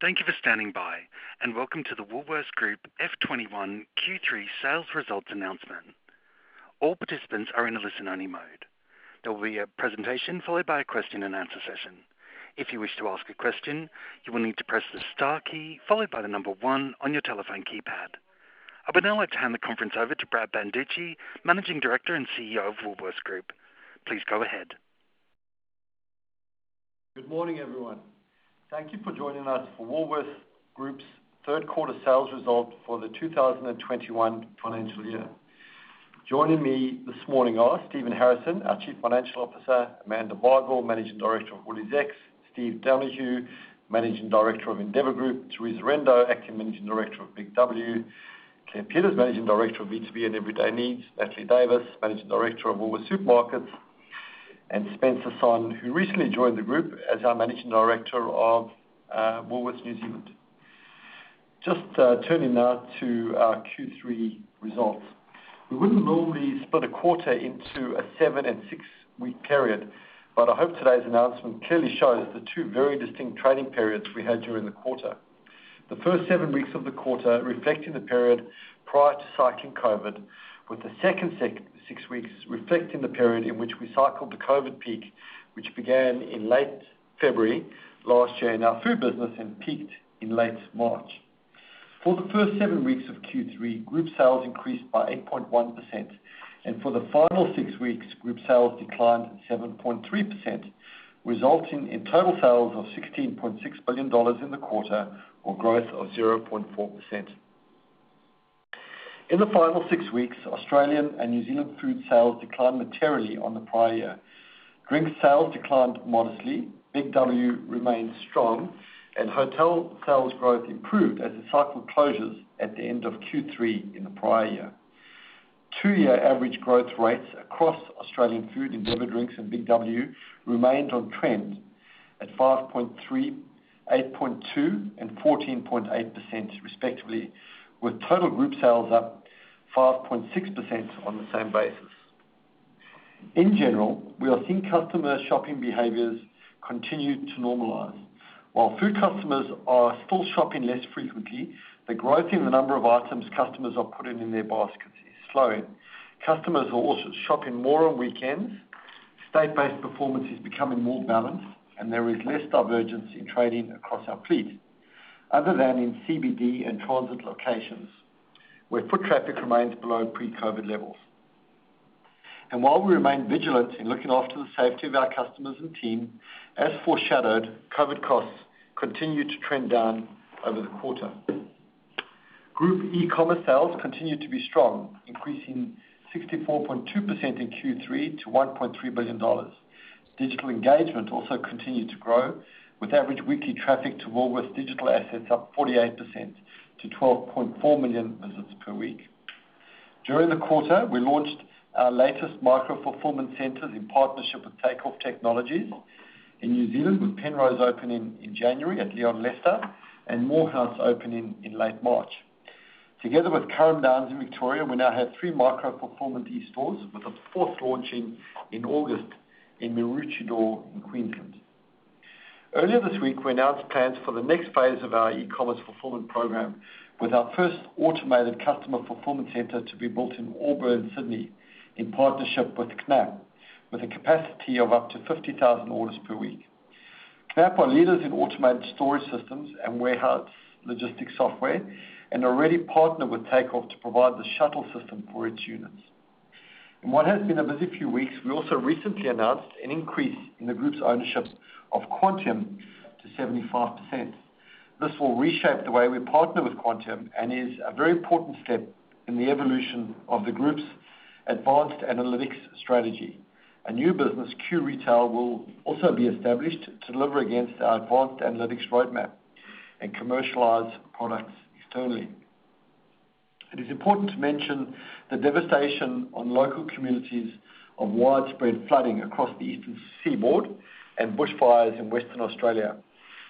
Thank you for standing by, and welcome to the Woolworths Group FY 2021 Q3 sales results announcement. All participants are in a listen-only mode. There will be a presentation followed by a question-and-answer session. If you wish to ask a question, you will need to press the star key followed by the number one on your telephone keypad. I would now like to hand the conference over to Brad Banducci, Managing Director and CEO of Woolworths Group. Please go ahead. Good morning, everyone. Thank you for joining us for Woolworths Group's third quarter sales results for the 2021 financial year. Joining me this morning are Stephen Harrison, our Chief Financial Officer, Amanda Bardwell, Managing Director of WooliesX, Steve Donohue, Managing Director of Endeavour Group, Teresa Rendo, Acting Managing Director of BIG W, Claire Peters, Managing Director of B2B and Everyday Needs, Natalie Davis, Managing Director of Woolworths Supermarkets, and Spencer Sonn, who recently joined the group as our Managing Director of Woolworths New Zealand. Just turning now to our Q3 results. We wouldn't normally split a quarter into a seven and six-week period, but I hope today's announcement clearly shows the two very distinct trading periods we had during the quarter. The first seven weeks of the quarter reflecting the period prior to cycling COVID, with the second six weeks reflecting the period in which we cycled the COVID peak, which began in late February last year in our food business and peaked in late March. For the first seven weeks of Q3, group sales increased by 8.1%, and for the final six weeks, group sales declined 7.3%, resulting in total sales of 16.6 billion dollars in the quarter, or growth of 0.4%. In the final six weeks, Australian and New Zealand food sales declined materially on the prior year. Drink sales declined modestly. BIG W remained strong, and hotel sales growth improved as it cycled closures at the end of Q3 in the prior year. Two-year average growth rates across Australian Food, Endeavour Drinks, and BIG W remained on trend at 5.3%, 8.2%, and 14.8% respectively, with total group sales up 5.6% on the same basis. In general, we are seeing customer shopping behaviors continue to normalize. While food customers are still shopping less frequently, the growth in the number of items customers are putting in their baskets is slowing. Customers are also shopping more on weekends, state-based performance is becoming more balanced, and there is less divergence in trading across our fleet, other than in CBD and transit locations, where foot traffic remains below pre-COVID levels. While we remain vigilant in looking after the safety of our customers and team, as foreshadowed, COVID costs continued to trend down over the quarter. Group e-commerce sales continued to be strong, increasing 64.2% in Q3 to 1.3 billion dollars. Digital engagement also continued to grow, with average weekly traffic to Woolworths digital assets up 48% to 12.4 million visits per week. During the quarter, we launched our latest micro-fulfillment centers in partnership with Takeoff Technologies in New Zealand, with Penrose opening in January at Leon Leicester Avenue and Moorhouse opening in late March. Together with Carrum Downs in Victoria, we now have three micro-fulfillment e-stores, with a fourth launching in August in Maroochydore, in Queensland. Earlier this week, we announced plans for the next phase of our e-commerce fulfillment program with our first automated customer fulfillment center to be built in Auburn in Sydney, in partnership with KNAPP, with a capacity of up to 50,000 orders per week. KNAPP are leaders in automated storage systems and warehouse logistics software and already partner with Takeoff to provide the shuttle system for its units. In what has been a busy few weeks, we also recently announced an increase in the group's ownership of Quantium to 75%. This will reshape the way we partner with Quantium and is a very important step in the evolution of the group's advanced analytics strategy. A new business, Q-Retail, will also be established to deliver against our advanced analytics roadmap and commercialize products externally. It is important to mention the devastation on local communities of widespread flooding across the eastern seaboard and bushfires in Western Australia.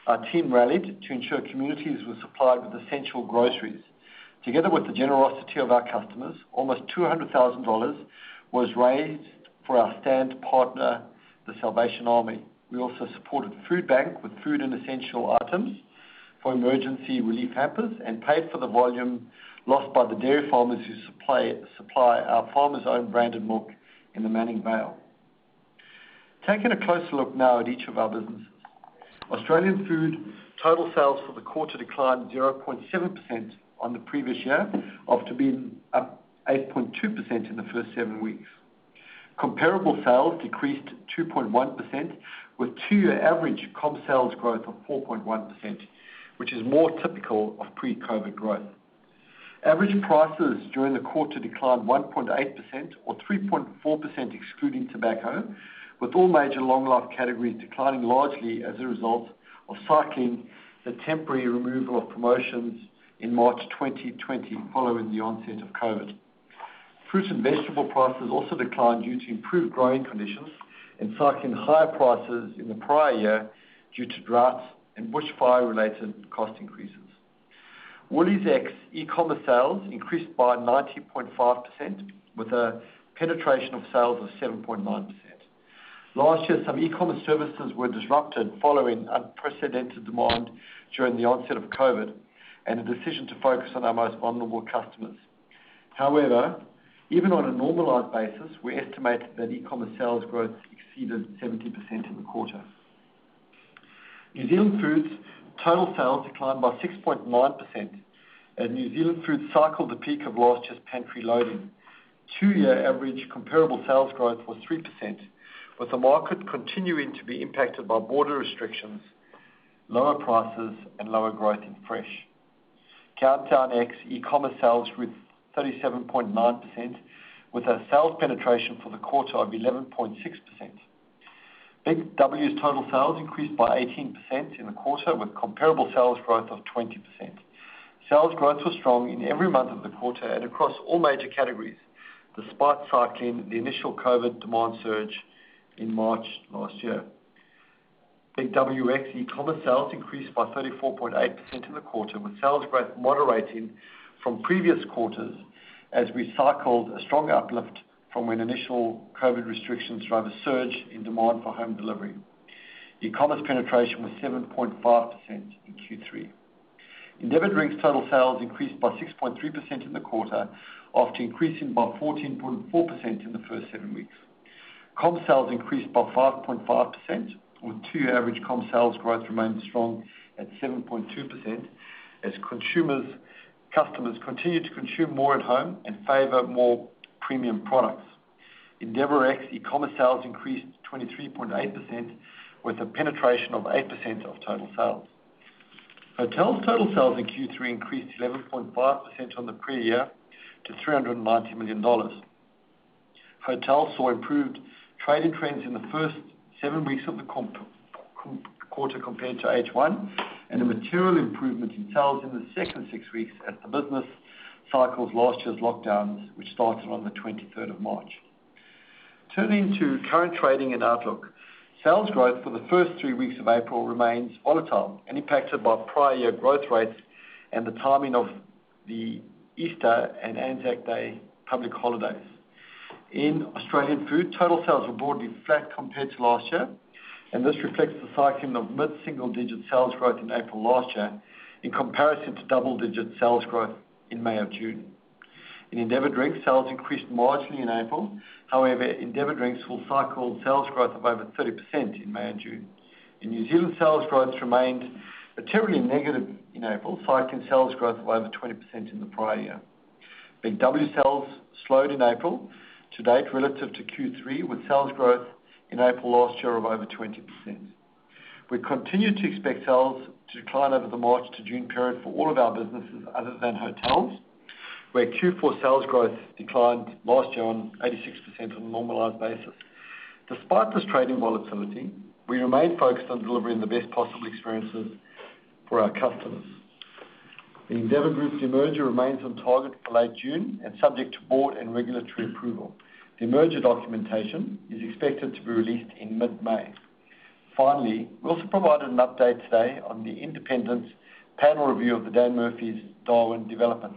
Our team rallied to ensure communities were supplied with essential groceries. Together with the generosity of our customers, almost 200,000 dollars was raised for our S.T.A.N.D. program partner, The Salvation Army. We also supported the Foodbank with food and essential items for emergency relief hampers and paid for the volume lost by the dairy farmers who supply our Farmer's Own branded milk in the Manning Valley. Taking a closer look now at each of our businesses. Australian Food total sales for the quarter declined 0.7% on the previous year, after being up 8.2% in the first seven weeks. Comparable sales decreased 2.1%, with two-year average comp sales growth of 4.1%, which is more typical of pre-COVID growth. Average prices during the quarter declined 1.8%, or 3.4% excluding tobacco, with all major long-life categories declining largely as a result of cycling the temporary removal of promotions in March 2020 following the onset of COVID. Fruit and vegetable prices also declined due to improved growing conditions and cycling higher prices in the prior year due to droughts and bushfire-related cost increases. WooliesX eCommerce sales increased by 90.5% with a penetration of sales of 7.9%. Last year, some eCommerce services were disrupted following unprecedented demand during the onset of COVID and a decision to focus on our most vulnerable customers. However, even on a normalized basis, we estimated that eCommerce sales growth exceeded 70% in the quarter. New Zealand Food's total sales declined by 6.9%, and New Zealand Food cycled the peak of last year's pantry loading. Two-year average comparable sales growth was 3%, with the market continuing to be impacted by border restrictions, lower prices, and lower growth in fresh. CountdownX eCommerce sales grew 37.9%, with a sales penetration for the quarter of 11.6%. BIG W's total sales increased by 18% in the quarter, with comparable sales growth of 20%. Sales growth was strong in every month of the quarter and across all major categories, despite cycling the initial COVID demand surge in March last year. BIG WX e-commerce sales increased by 34.8% in the quarter, with sales growth moderating from previous quarters as we cycled a strong uplift from when initial COVID restrictions drove a surge in demand for home delivery. e-commerce penetration was 7.5% in Q3. Endeavour Drinks' total sales increased by 6.3% in the quarter, after increasing by 14.4% in the first seven weeks. Comp sales increased by 5.5% with two-year average Comp sales growth remained strong at 7.2% as customers continue to consume more at home and favor more premium products. EndeavourX e-commerce sales increased 23.8%, with a penetration of 8% of total sales. Hotels' total sales in Q3 increased 11.5% on the prior year to 390 million dollars. Hotels saw improved trading trends in the first seven weeks of the quarter compared to H1, and a material improvement in sales in the second six weeks as the business cycles last year's lockdowns, which started on the 23rd of March. Turning to current trading and outlook. Sales growth for the first three weeks of April remains volatile and impacted by prior year growth rates and the timing of the Easter and Anzac Day public holidays. In Australian Food, total sales were broadly flat compared to last year. This reflects the cycling of mid-single-digit sales growth in April last year in comparison to double-digit sales growth in May or June. In Endeavour Drinks, sales increased marginally in April. However, Endeavour Drinks will cycle sales growth of over 30% in May and June. In New Zealand, sales growth remained materially negative in April, cycling sales growth of over 20% in the prior year. BIG W sales slowed in April to date relative to Q3, with sales growth in April last year of over 20%. We continue to expect sales to decline over the March to June period for all of our businesses other than Hotels, where Q4 sales growth declined last year on 86% on a normalized basis. Despite this trading volatility, we remain focused on delivering the best possible experiences for our customers. The Endeavour Group's demerger remains on target for late June and subject to board and regulatory approval. The demerger documentation is expected to be released in mid-May. Finally, we also provided an update today on the independent panel review of the Dan Murphy's Darwin development.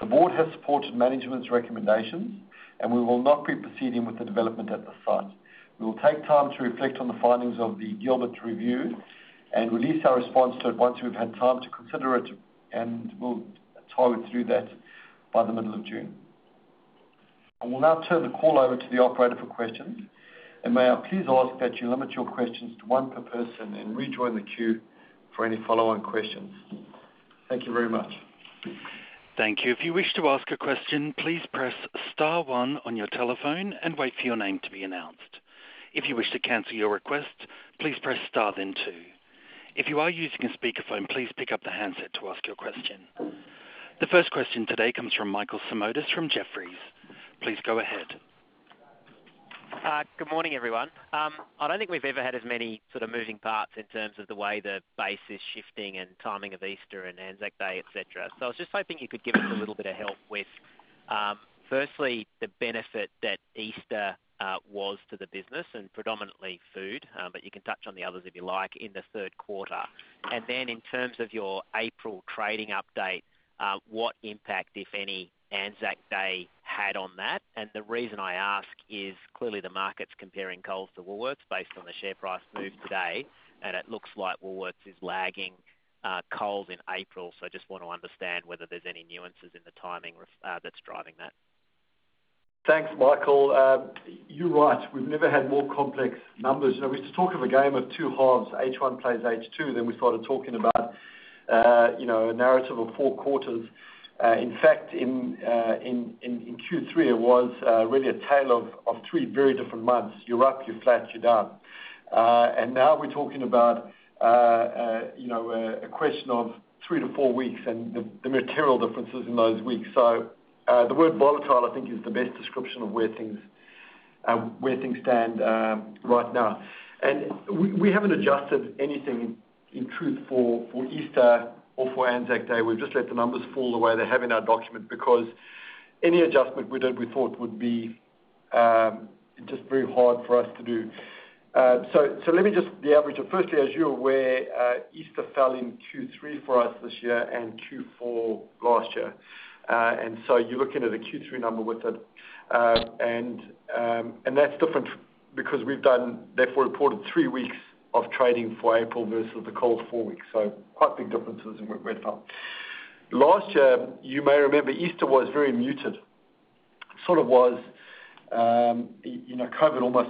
The board has supported management's recommendations, and we will not be proceeding with the development at the site. We will take time to reflect on the findings of the Gilbert review and release our response to it once we've had time to consider it, and we'll tie it through that by the middle of June. I will now turn the call over to the operator for questions. May I please ask that you limit your questions to one per person and rejoin the queue for any follow-up questions. Thank you very much. Thank you. If you wish to ask a question, please press star one on your telephone and wait for your name to be announced. If you wish to cancel your request, please press star then two. If you are using a speakerphone, please pick up the handset to ask your question. The first question today comes from Michael Simotas from Jefferies. Please go ahead. Good morning, everyone. I don't think we've ever had as many sort of moving parts in terms of the way the base is shifting and timing of Easter and Anzac Day, et cetera. I was just hoping you could give us a little bit of help with, firstly, the benefit that Easter was to the business, and predominantly food, but you can touch on the others if you like, in the third quarter. In terms of your April trading update, what impact, if any, Anzac Day had on that? The reason I ask is clearly the market's comparing Coles to Woolworths based on the share price move today, and it looks like Woolworths is lagging Coles in April. I just want to understand whether there's any nuances in the timing that's driving that. Thanks, Michael. You're right. We've never had more complex numbers. We used to talk of a game of two halves, H1 plays H2. We started talking about a narrative of four quarters. In fact, in Q3, it was really a tale of three very different months. You're up, you're flat, you're down. Now we're talking about a question of three to four weeks and the material differences in those weeks. The word volatile, I think, is the best description of where things stand right now. We haven't adjusted anything, in truth, for Easter or for Anzac Day. We've just let the numbers fall the way they have in our document because any adjustment we did we thought would be just very hard for us to do. As you're aware, Easter fell in Q3 for us this year and Q4 last year. You're looking at a Q3 number with it. That's different because we've done, therefore, reported three weeks of trading for April versus the full four weeks. Quite big differences in where it fell. Last year, you may remember Easter was very muted. COVID almost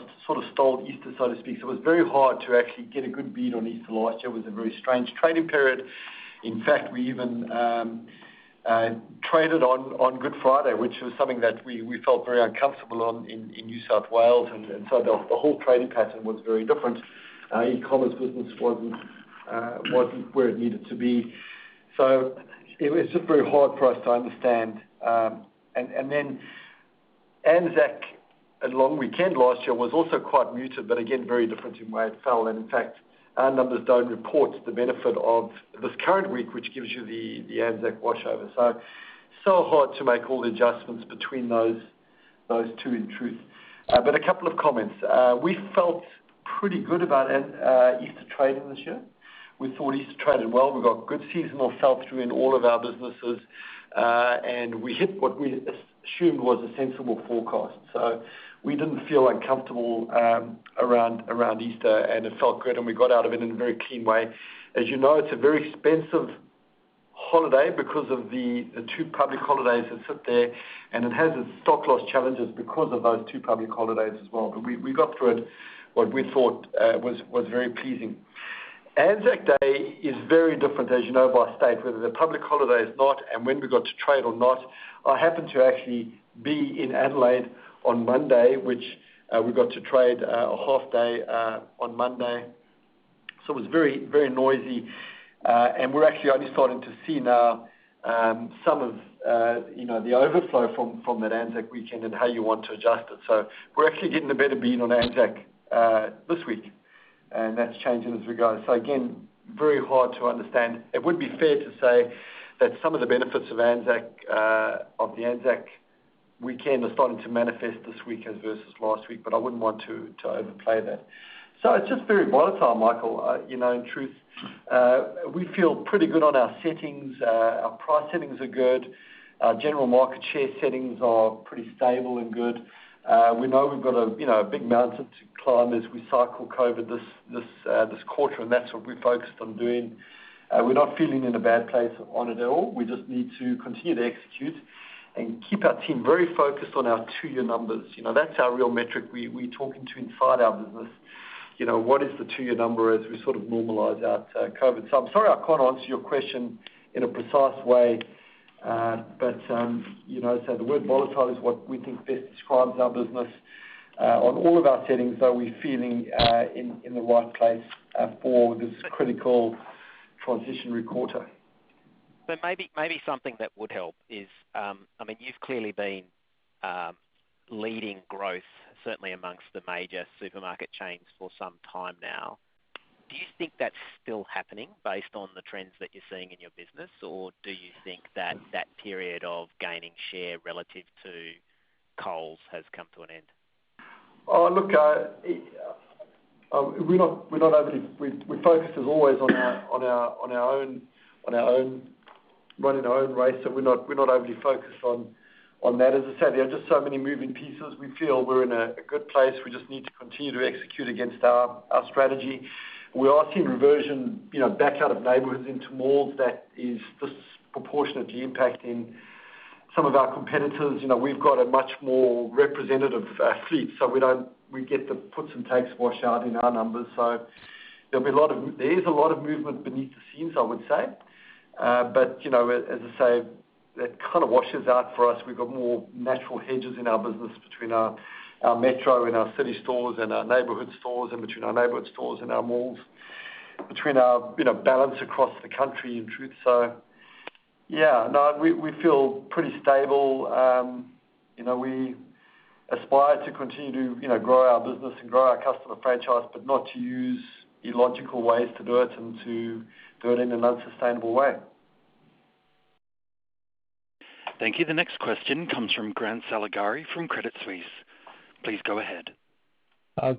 stole Easter, so to speak. It was very hard to actually get a good bead on Easter last year. It was a very strange trading period. In fact, we even traded on Good Friday, which was something that we felt very uncomfortable on in New South Wales. The whole trading pattern was very different e-commerce business wasn't where it needed to be. It was just very hard for us to understand. Anzac long weekend last year was also quite muted, but again, very different in the way it fell. In fact, our numbers don't report the benefit of this current week, which gives you the Anzac washover. So hard to make all the adjustments between those two, in truth. A couple of comments. We felt pretty good about Easter trading this year. We thought Easter traded well. We got good seasonal sell-through in all of our businesses. We hit what we assumed was a sensible forecast. We didn't feel uncomfortable around Easter, and it felt good, and we got out of it in a very clean way. You know, it's a very expensive holiday because of the two public holidays that sit there, and it has its stock loss challenges because of those two public holidays as well. We got through it what we thought was very pleasing. Anzac Day is very different, as you know, by state, whether the public holiday is not and when we got to trade or not. I happened to actually be in Adelaide on Monday, which we got to trade a half day on Monday. It was very noisy. We're actually only starting to see now some of the overflow from that Anzac weekend and how you want to adjust it. We're actually getting a better bead on Anzac this week, and that's changing as we go. Again, very hard to understand. It would be fair to say that some of the benefits of the Anzac weekend are starting to manifest this week versus last week. I wouldn't want to overplay that. It's just very volatile, Michael, in truth. We feel pretty good on our settings. Our price settings are good. Our general market share settings are pretty stable and good. We know we've got a big mountain to climb as we cycle COVID this quarter, and that's what we're focused on doing. We're not feeling in a bad place on it at all. We just need to continue to execute and keep our team very focused on our two-year numbers. That's our real metric we're talking to inside our business. What is the two-year number as we normalize out COVID? I'm sorry I can't answer your question in a precise way. The word volatile is what we think best describes our business. On all of our settings, are we feeling in the right place for this critical transitionary quarter? Maybe something that would help is, you've clearly been leading growth, certainly amongst the major supermarket chains, for some time now. Do you think that's still happening based on the trends that you're seeing in your business? Or do you think that that period of gaining share relative to Coles has come to an end? Our focus is always on running our own race, we're not overly focused on that. As I said, there are just so many moving pieces. We feel we're in a good place. We just need to continue to execute against our strategy. We are seeing reversion back out of neighborhoods into malls that is disproportionately impacting some of our competitors. We've got a much more representative fleet, we get the puts and takes wash out in our numbers. There is a lot of movement beneath the scenes, I would say. As I say, that washes out for us. We've got more natural hedges in our business between our metro and our city stores and our neighborhood stores and between our neighborhood stores and our malls, between our balance across the country, in truth. Yeah, no, we feel pretty stable. We aspire to continue to grow our business and grow our customer franchise, but not to use illogical ways to do it and to do it in an unsustainable way. Thank you. The next question comes from Grant Saligari from Credit Suisse. Please go ahead.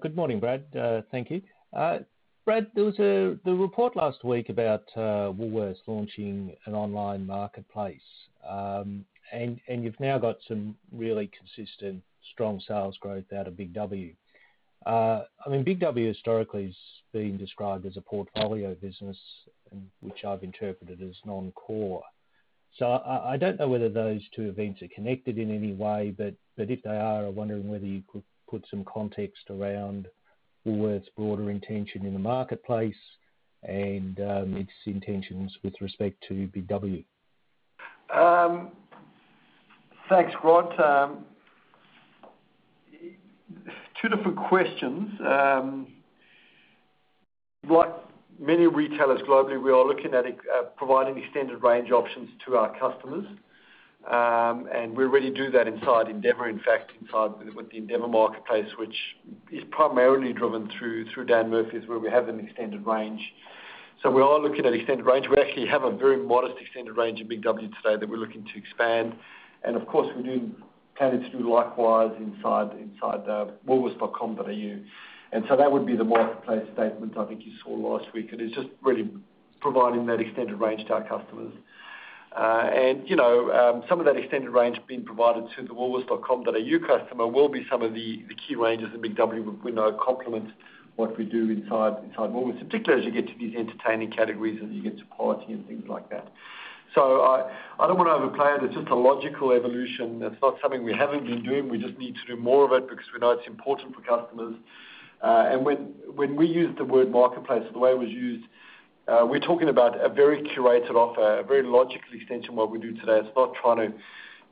Good morning, Brad. Thank you. Brad, there was the report last week about Woolworths launching an online marketplace. You've now got some really consistent, strong sales growth out of BIG W. BIG W historically has been described as a portfolio business, and which I've interpreted as non-core. I don't know whether those two events are connected in any way, but if they are, I'm wondering whether you could put some context around Woolworths' broader intention in the marketplace and its intentions with respect to BIG W. Thanks, Grant. Two different questions. Like many retailers globally, we are looking at providing extended range options to our customers. We already do that inside Endeavour. In fact, inside with the Endeavour Marketplace, which is primarily driven through Dan Murphy's, where we have an extended range. We actually have a very modest extended range in BIG W today that we're looking to expand. Of course, we do plan to do likewise inside woolworths.com.au. That would be the marketplace statement I think you saw last week, and it's just really providing that extended range to our customers. Some of that extended range being provided to the woolworths.com.au customer will be some of the key ranges in BIG W, we know complements what we do inside Woolworths, particularly as you get to these entertaining categories, as you get to quality and things like that. I don't want to overplay it. It's just a logical evolution. It's not something we haven't been doing. We just need to do more of it because we know it's important for customers. When we use the word marketplace the way it was used, we're talking about a very curated offer, a very logical extension of what we do today. It's not trying to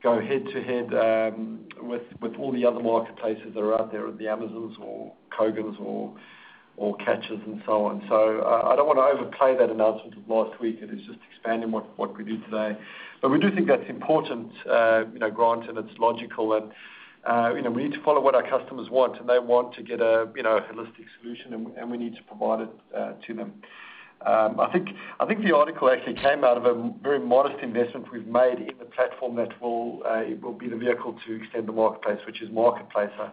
go head to head with all the other marketplaces that are out there, the Amazons or Kogan or Catch and so on. I don't want to overplay that announcement of last week. It is just expanding what we do today. We do think that's important, Grant, and it's logical and we need to follow what our customers want, and they want to get a holistic solution, and we need to provide it to them. I think the article actually came out of a very modest investment we've made in the platform that will be the vehicle to extend the marketplace, which is Marketplacer.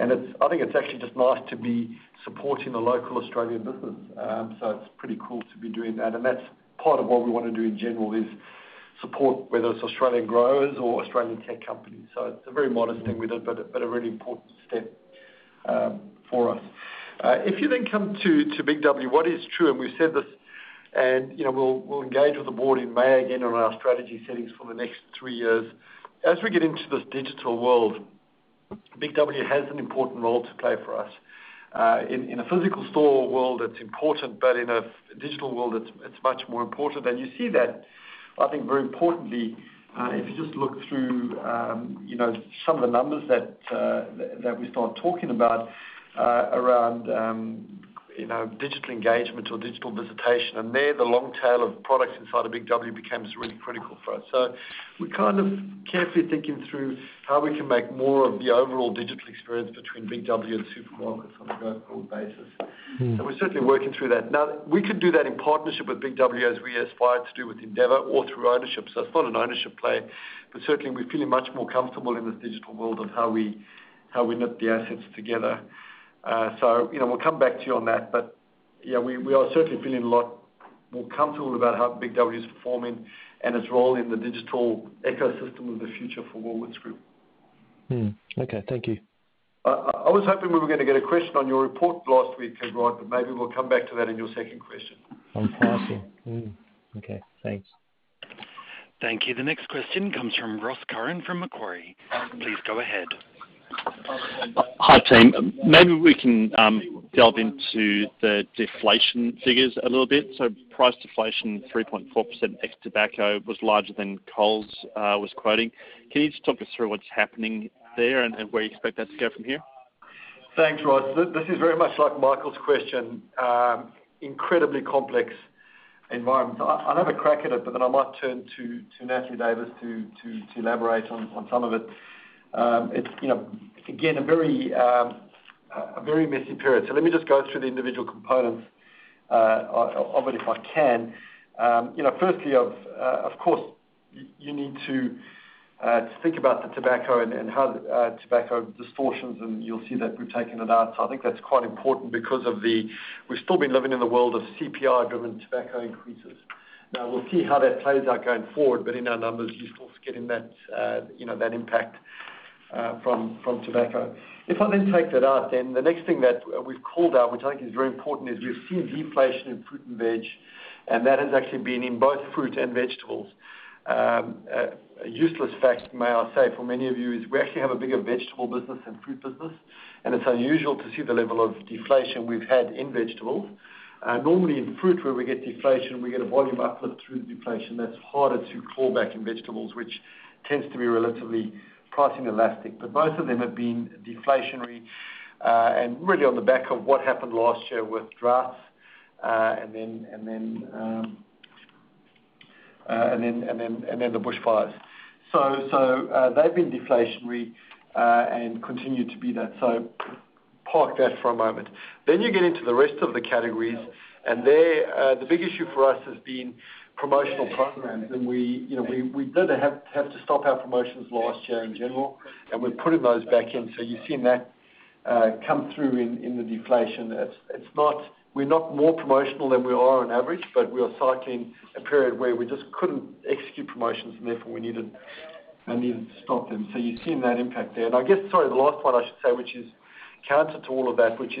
I think it's actually just nice to be supporting a local Australian business. It's pretty cool to be doing that. That's part of what we want to do in general is support whether it's Australian growers or Australian tech companies. It's a very modest thing we did, but a really important step for us. If you then come to BIG W, what is true, and we've said this, and we'll engage with the board in May again on our strategy settings for the next three years. As we get into this digital world, BIG W has an important role to play for us. In a physical store world, it's important, but in a digital world, it's much more important. You see that, I think very importantly, if you just look through some of the numbers that we start talking about around digital engagement or digital visitation, and there the long tail of products inside of BIG W becomes really critical for us. We're kind of carefully thinking through how we can make more of the overall digital experience between BIG W and Supermarkets on a go-forward basis. We're certainly working through that. We could do that in partnership with BIG W as we aspire to do with Endeavour or through ownership. It's not an ownership play, but certainly, we're feeling much more comfortable in this digital world on how we knit the assets together. We'll come back to you on that. Yeah, we are certainly feeling a lot more comfortable about how BIG W is performing and its role in the digital ecosystem of the future for Woolworths Group. Mm-hmm. Okay. Thank you. I was hoping we were going to get a question on your report last week, Grant, but maybe we'll come back to that in your second question. Fantastic. Mm-hmm. Okay, thanks. Thank you. The next question comes from Ross Curran from Macquarie. Please go ahead. Hi, team. Maybe we can delve into the deflation figures a little bit. Price deflation, 3.4% ex tobacco was larger than Coles was quoting. Can you just talk us through what's happening there and where you expect that to go from here? Thanks, Ross. This is very much like Michael's question. Incredibly complex environment. I'll have a crack at it. I might turn to Natalie Davis to elaborate on some of it. It's again, a very messy period. Let me just go through the individual components of it if I can. Firstly, of course, you need to think about the tobacco and how the tobacco distortions. You'll see that we've taken it out. I think that's quite important because we've still been living in the world of CPI-driven tobacco increases. We'll see how that plays out going forward. In our numbers, you're still getting that impact from tobacco. If I then take that out, then the next thing that we've called out, which I think is very important, is you've seen deflation in fruit and veg, and that has actually been in both fruit and vegetables. A useless fact, may I say for many of you, is we actually have a bigger vegetable business than fruit business, and it's unusual to see the level of deflation we've had in vegetables. Normally in fruit where we get deflation, we get a volume uplift through deflation that's harder to claw back in vegetables, which tends to be relatively pricing elastic. Both of them have been deflationary, and really on the back of what happened last year with droughts, and then the bushfires. They've been deflationary, and continue to be that. Park that for a moment. You get into the rest of the categories, there the big issue for us has been promotional programs. We did have to stop our promotions last year in general, and we're putting those back in. You've seen that come through in the deflation. We're not more promotional than we are on average, but we are cycling a period where we just couldn't execute promotions and therefore we needed to stop them. You've seen that impact there. I guess, sorry, the last one I should say, which is counter to all of that, which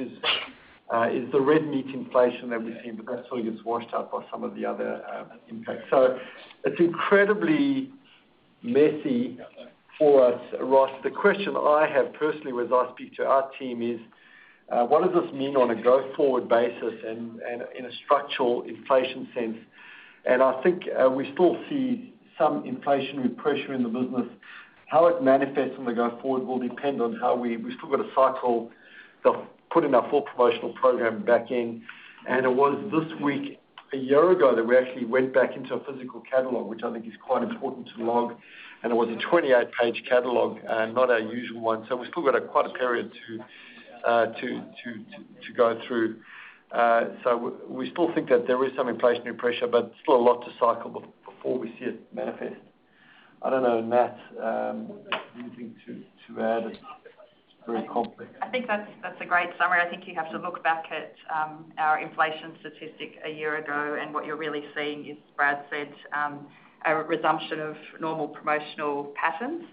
is the red meat inflation that we've seen, but that sort of gets washed out by some of the other impacts. It's incredibly messy for us, Ross. The question I have personally as I speak to our team is, what does this mean on a go-forward basis and in a structural inflation sense? I think we still see some inflationary pressure in the business. How it manifests on the go forward will depend on how we. We've still got to cycle the putting our full promotional program back in. It was this week a year ago that we actually went back into a physical catalog, which I think is quite important to log, and it was a 28-page catalog, not our usual one. We've still got quite a period to go through. We still think that there is some inflationary pressure, but still a lot to cycle before we see it manifest. I don't know, Amitabh Mall, anything to add? It's very complex. I think that's a great summary. I think you have to look back at our inflation statistic a year ago, and what you're really seeing, as Brad said, a resumption of normal promotional patterns,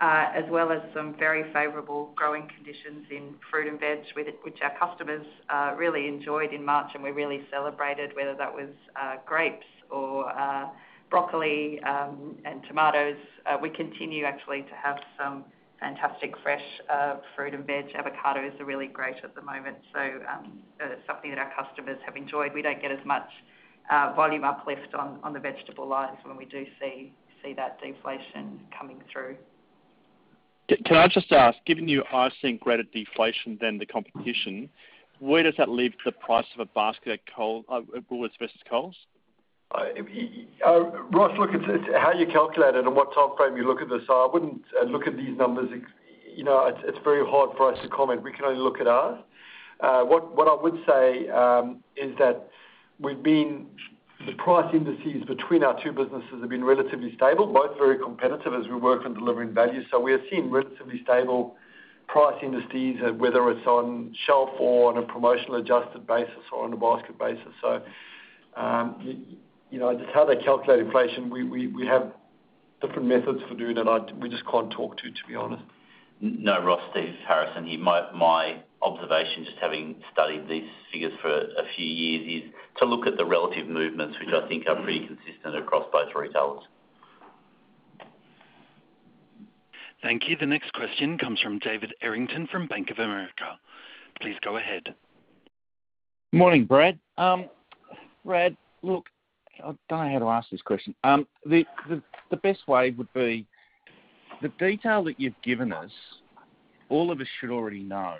as well as some very favorable growing conditions in fruit and veg, which our customers really enjoyed in March and we really celebrated, whether that was grapes or broccoli, and tomatoes. We continue actually to have some fantastic fresh fruit and veg. Avocados are really great at the moment. Something that our customers have enjoyed. We don't get as much volume uplift on the vegetable lines when we do see that deflation coming through. Can I just ask, given you are seeing greater deflation than the competition, where does that leave the price of a basket at Woolworths versus Coles? Ross, look, it's how you calculate it and what time frame you look at this. I wouldn't look at these numbers. It's very hard for us to comment. We can only look at ours. What I would say is that the price indices between our two businesses have been relatively stable, both very competitive as we work on delivering value. We are seeing relatively stable price indices, whether it's on shelf or on a promotionally adjusted basis or on a basket basis. Just how they calculate inflation, we have different methods for doing it. We just can't talk to be honest. No, Ross, Stephen Harrison here. My observation, just having studied these figures for a few years, is to look at the relative movements, which I think are pretty consistent across both retailers. Thank you. The next question comes from David Errington from Bank of America. Please go ahead. Morning, Brad. Brad, look, I don't know how to ask this question. The best way would be, the detail that you've given us, all of us should already know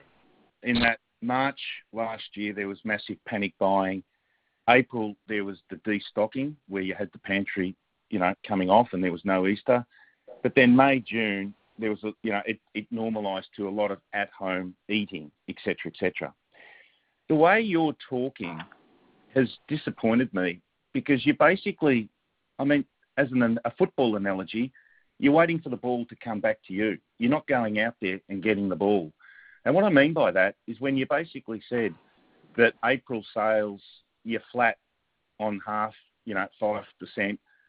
in that March last year, there was massive panic buying. April, there was the de-stocking, where you had the pantry coming off, and there was no Easter. May, June, it normalized to a lot of at-home eating, et cetera. The way you're talking has disappointed me because you're basically, as in a football analogy, you're waiting for the ball to come back to you. You're not going out there and getting the ball. What I mean by that is when you basically said that April sales, you're flat on half, 5%,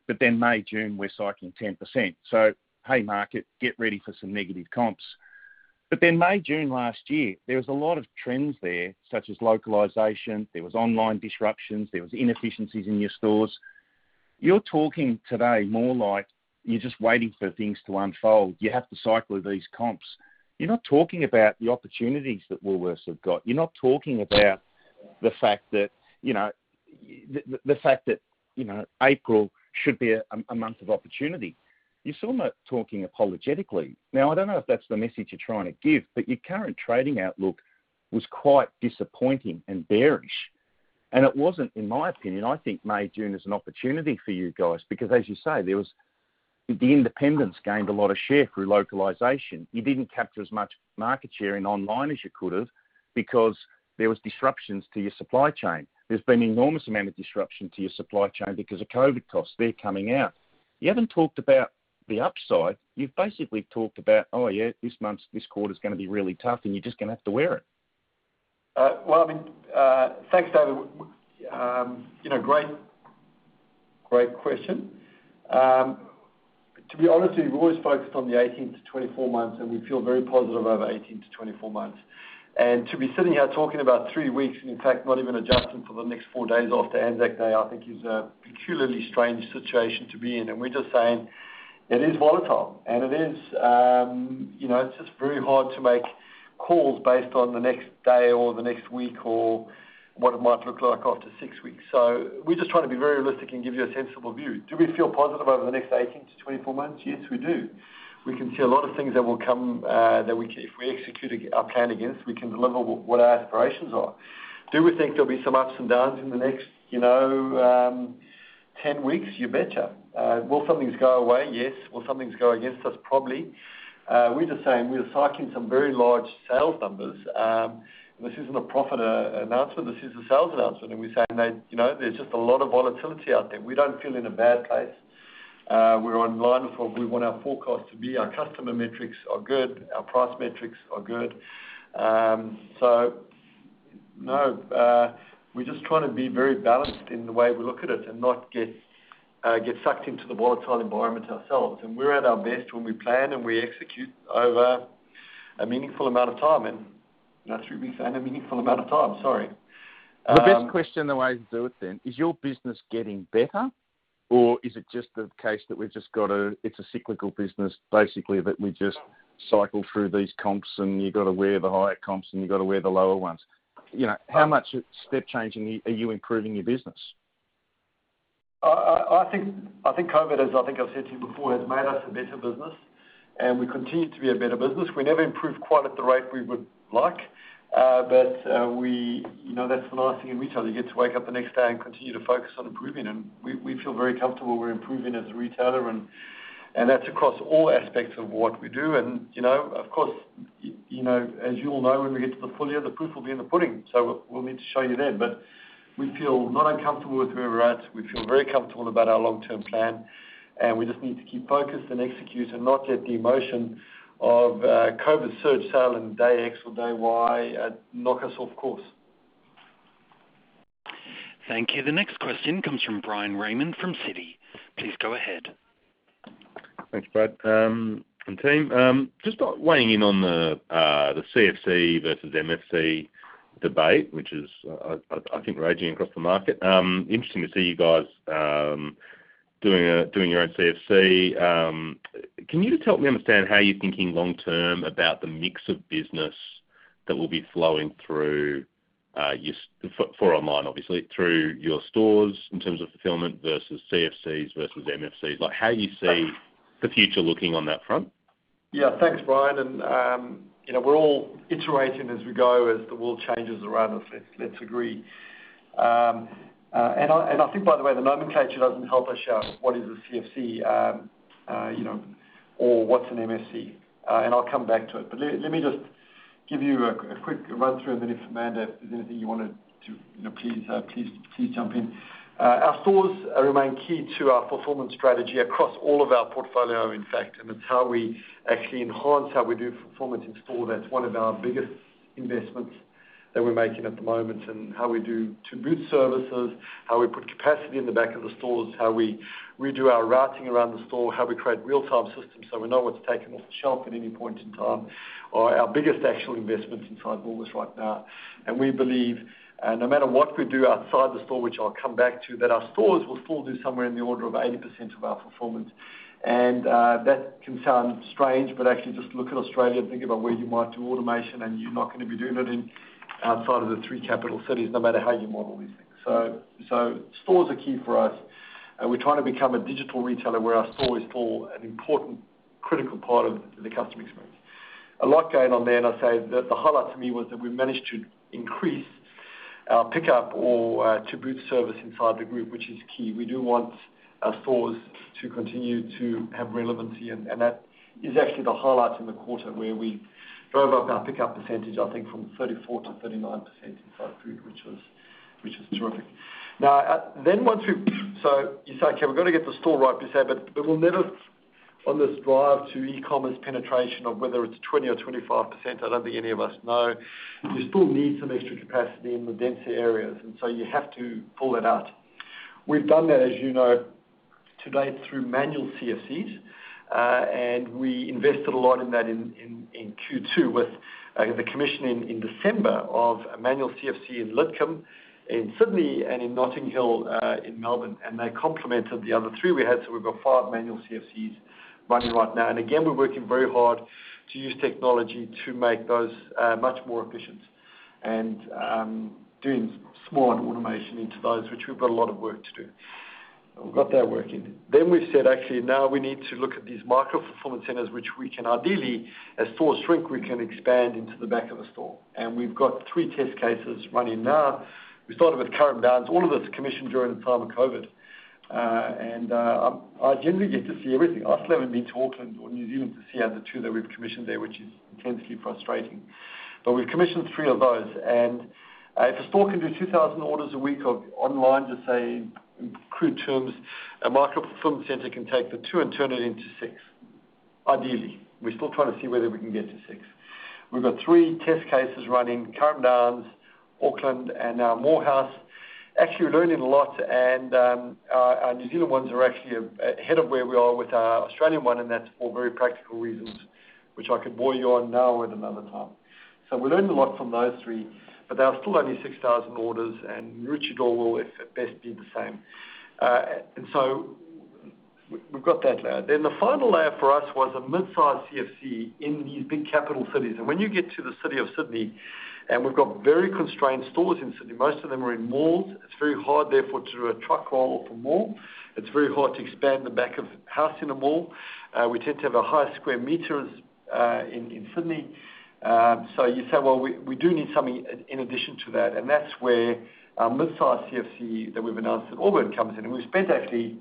but then May, June, we're cycling 10%. Hey, market, get ready for some negative comps. May, June last year, there was a lot of trends there, such as localization. There was online disruptions. There was inefficiencies in your stores. You're talking today more like you're just waiting for things to unfold. You have to cycle these comps. You're not talking about the opportunities that Woolworths have got. You're not talking about the fact that April should be a month of opportunity. You're almost talking apologetically. Now, I don't know if that's the message you're trying to give, but your current trading outlook was quite disappointing and bearish. It wasn't, in my opinion, I think May, June is an opportunity for you guys because as you say, the independents gained a lot of share through localization. You didn't capture as much market share in online as you could have because there was disruptions to your supply chain. There's been enormous amount of disruption to your supply chain because of COVID costs. They're coming out. You haven't talked about the upside. You've basically talked about, "Oh, yeah, this quarter's going to be really tough and you're just going to have to wear it. Well, thanks, David. Great question. To be honest with you, we're always focused on the 18 -24 months, and we feel very positive over 18-24 months. To be sitting here talking about three weeks, and in fact, not even adjusting for the next four days after Anzac Day, I think is a peculiarly strange situation to be in. We're just saying it is volatile, and it's just very hard to make calls based on the next day or the next week or what it might look like after six weeks. We're just trying to be very realistic and give you a sensible view. Do we feel positive over the next 18-24 months? Yes, we do. We can see a lot of things that if we execute our plan against, we can deliver what our aspirations are. Do we think there'll be some ups and downs in the next 10 weeks? You betcha. Will some things go away? Yes. Will some things go against us? Probably. We're just saying we are cycling some very large sales numbers. This isn't a profit announcement, this is a sales announcement. We're saying there's just a lot of volatility out there. We don't feel in a bad place. We're in line for we want our forecast to be. Our customer metrics are good, our price metrics are good. No, we're just trying to be very balanced in the way we look at it and not get sucked into the volatile environment ourselves. We're at our best when we plan and we execute over a meaningful amount of time. Not three weeks, and a meaningful amount of time. Sorry. The best question, the way to do it then, is your business getting better? Is it just the case that it's a cyclical business, basically, that we just cycle through these comps and you've got to wear the higher comps and you've got to wear the lower ones? How much step changing are you improving your business? I think COVID, as I think I've said to you before, has made us a better business, and we continue to be a better business. We never improve quite at the rate we would like. That's the nice thing in retail. You get to wake up the next day and continue to focus on improving, and we feel very comfortable we're improving as a retailer, and that's across all aspects of what we do. Of course, as you all know, when we get to the full year, the proof will be in the pudding. We'll need to show you then. We feel not uncomfortable with where we're at. We feel very comfortable about our long-term plan, and we just need to keep focused and execute and not let the emotion of COVID surge sale and day X or day Y knock us off course. Thank you. The next question comes from Bryan Raymond from Citi. Please go ahead. Thanks, Brad and team. Just weighing in on the CFC versus MFC debate, which is, I think, raging across the market. Interesting to see you guys doing your own CFC. Can you just help me understand how you're thinking long term about the mix of business that will be flowing through, for online obviously, through your stores in terms of fulfillment versus CFCs versus MFCs? Like how you see the future looking on that front? Yeah. Thanks, Bryan. We're all iterating as we go, as the world changes around us, let's agree. I think, by the way, the nomenclature doesn't help us out. What is a CFC? Or what's an MFC? I'll come back to it. Let me just give you a quick run through and then if, Amanda, there's anything you want to please jump in. Our stores remain key to our fulfillment strategy across all of our portfolio, in fact, and it's how we actually enhance how we do fulfillment in store. That's one of our biggest investments that we're making at the moment and how we do to-booth services, how we put capacity in the back of the stores, how we redo our routing around the store, how we create real-time systems so we know what's taken off the shelf at any point in time, are our biggest actual investments inside Woolworths right now. We believe, no matter what we do outside the store, which I'll come back to, that our stores will still do somewhere in the order of 80% of our fulfillment. That can sound strange, but actually just look at Australia and think about where you might do automation, and you're not going to be doing it outside of the three capital cities, no matter how you model these things. Stores are key for us. We're trying to become a digital retailer where our stores form an important, critical part of the customer experience. A lot going on there, I say the highlight for me was that we managed to increase our pickup or to-booth service inside the group, which is key. We do want our stores to continue to have relevancy. That is actually the highlight in the quarter where we drove up our pickup percentage, I think from 34%-39% inside food, which was terrific. You say, "Okay, we've got to get the store right," you say, "We'll never on this drive to e-commerce penetration of whether it's 20% or 25%," I don't think any of us know. You still need some extra capacity in the denser areas. You have to pull that out. We've done that, as you know, to date, through manual CFCs. We invested a lot in that in Q2 with the commission in December of a manual CFC in Lidcombe, in Sydney and in Notting Hill, in Melbourne. They complemented the other three we had. So we've got five manual CFCs running right now. Again, we're working very hard to use technology to make those much more efficient and doing smart automation into those, which we've got a lot of work to do. We've got that working. We've said, "Actually, now we need to look at these micro-fulfillment centers," which we can ideally, as stores shrink, we can expand into the back of a store. We've got 3 test cases running now. We started with Carrum Downs. All of it's commissioned during the time of COVID. I generally get to see everything. I still haven't been to Auckland or New Zealand to see how the two that we've commissioned there, which is intensely frustrating. We've commissioned three of those. If a store can do 2,000 orders a week of online to say, in crude terms, a micro-fulfillment center can take the two and turn it into six. Ideally. We're still trying to see whether we can get to six. We've got three test cases running, Carrum Downs, Auckland, and now Moorhouse. Actually, we're learning a lot, our New Zealand ones are actually ahead of where we are with our Australian one, that's for very practical reasons, which I could bore you on now or at another time. We learned a lot from those three, but they were still only 6,000 orders, Maroochydore will, if at best, be the same. We've got that layer. The final layer for us was a mid-size CFC in these big capital cities. When you get to the city of Sydney, we've got very constrained stores in Sydney. Most of them are in malls. It's very hard, therefore, to do a truck haul off a mall. It's very hard to expand the back of house in a mall. We tend to have a higher sq m in Sydney. You say, well, we do need something in addition to that. That's where our mid-size CFC that we've announced at Auburn comes in. We've spent actually,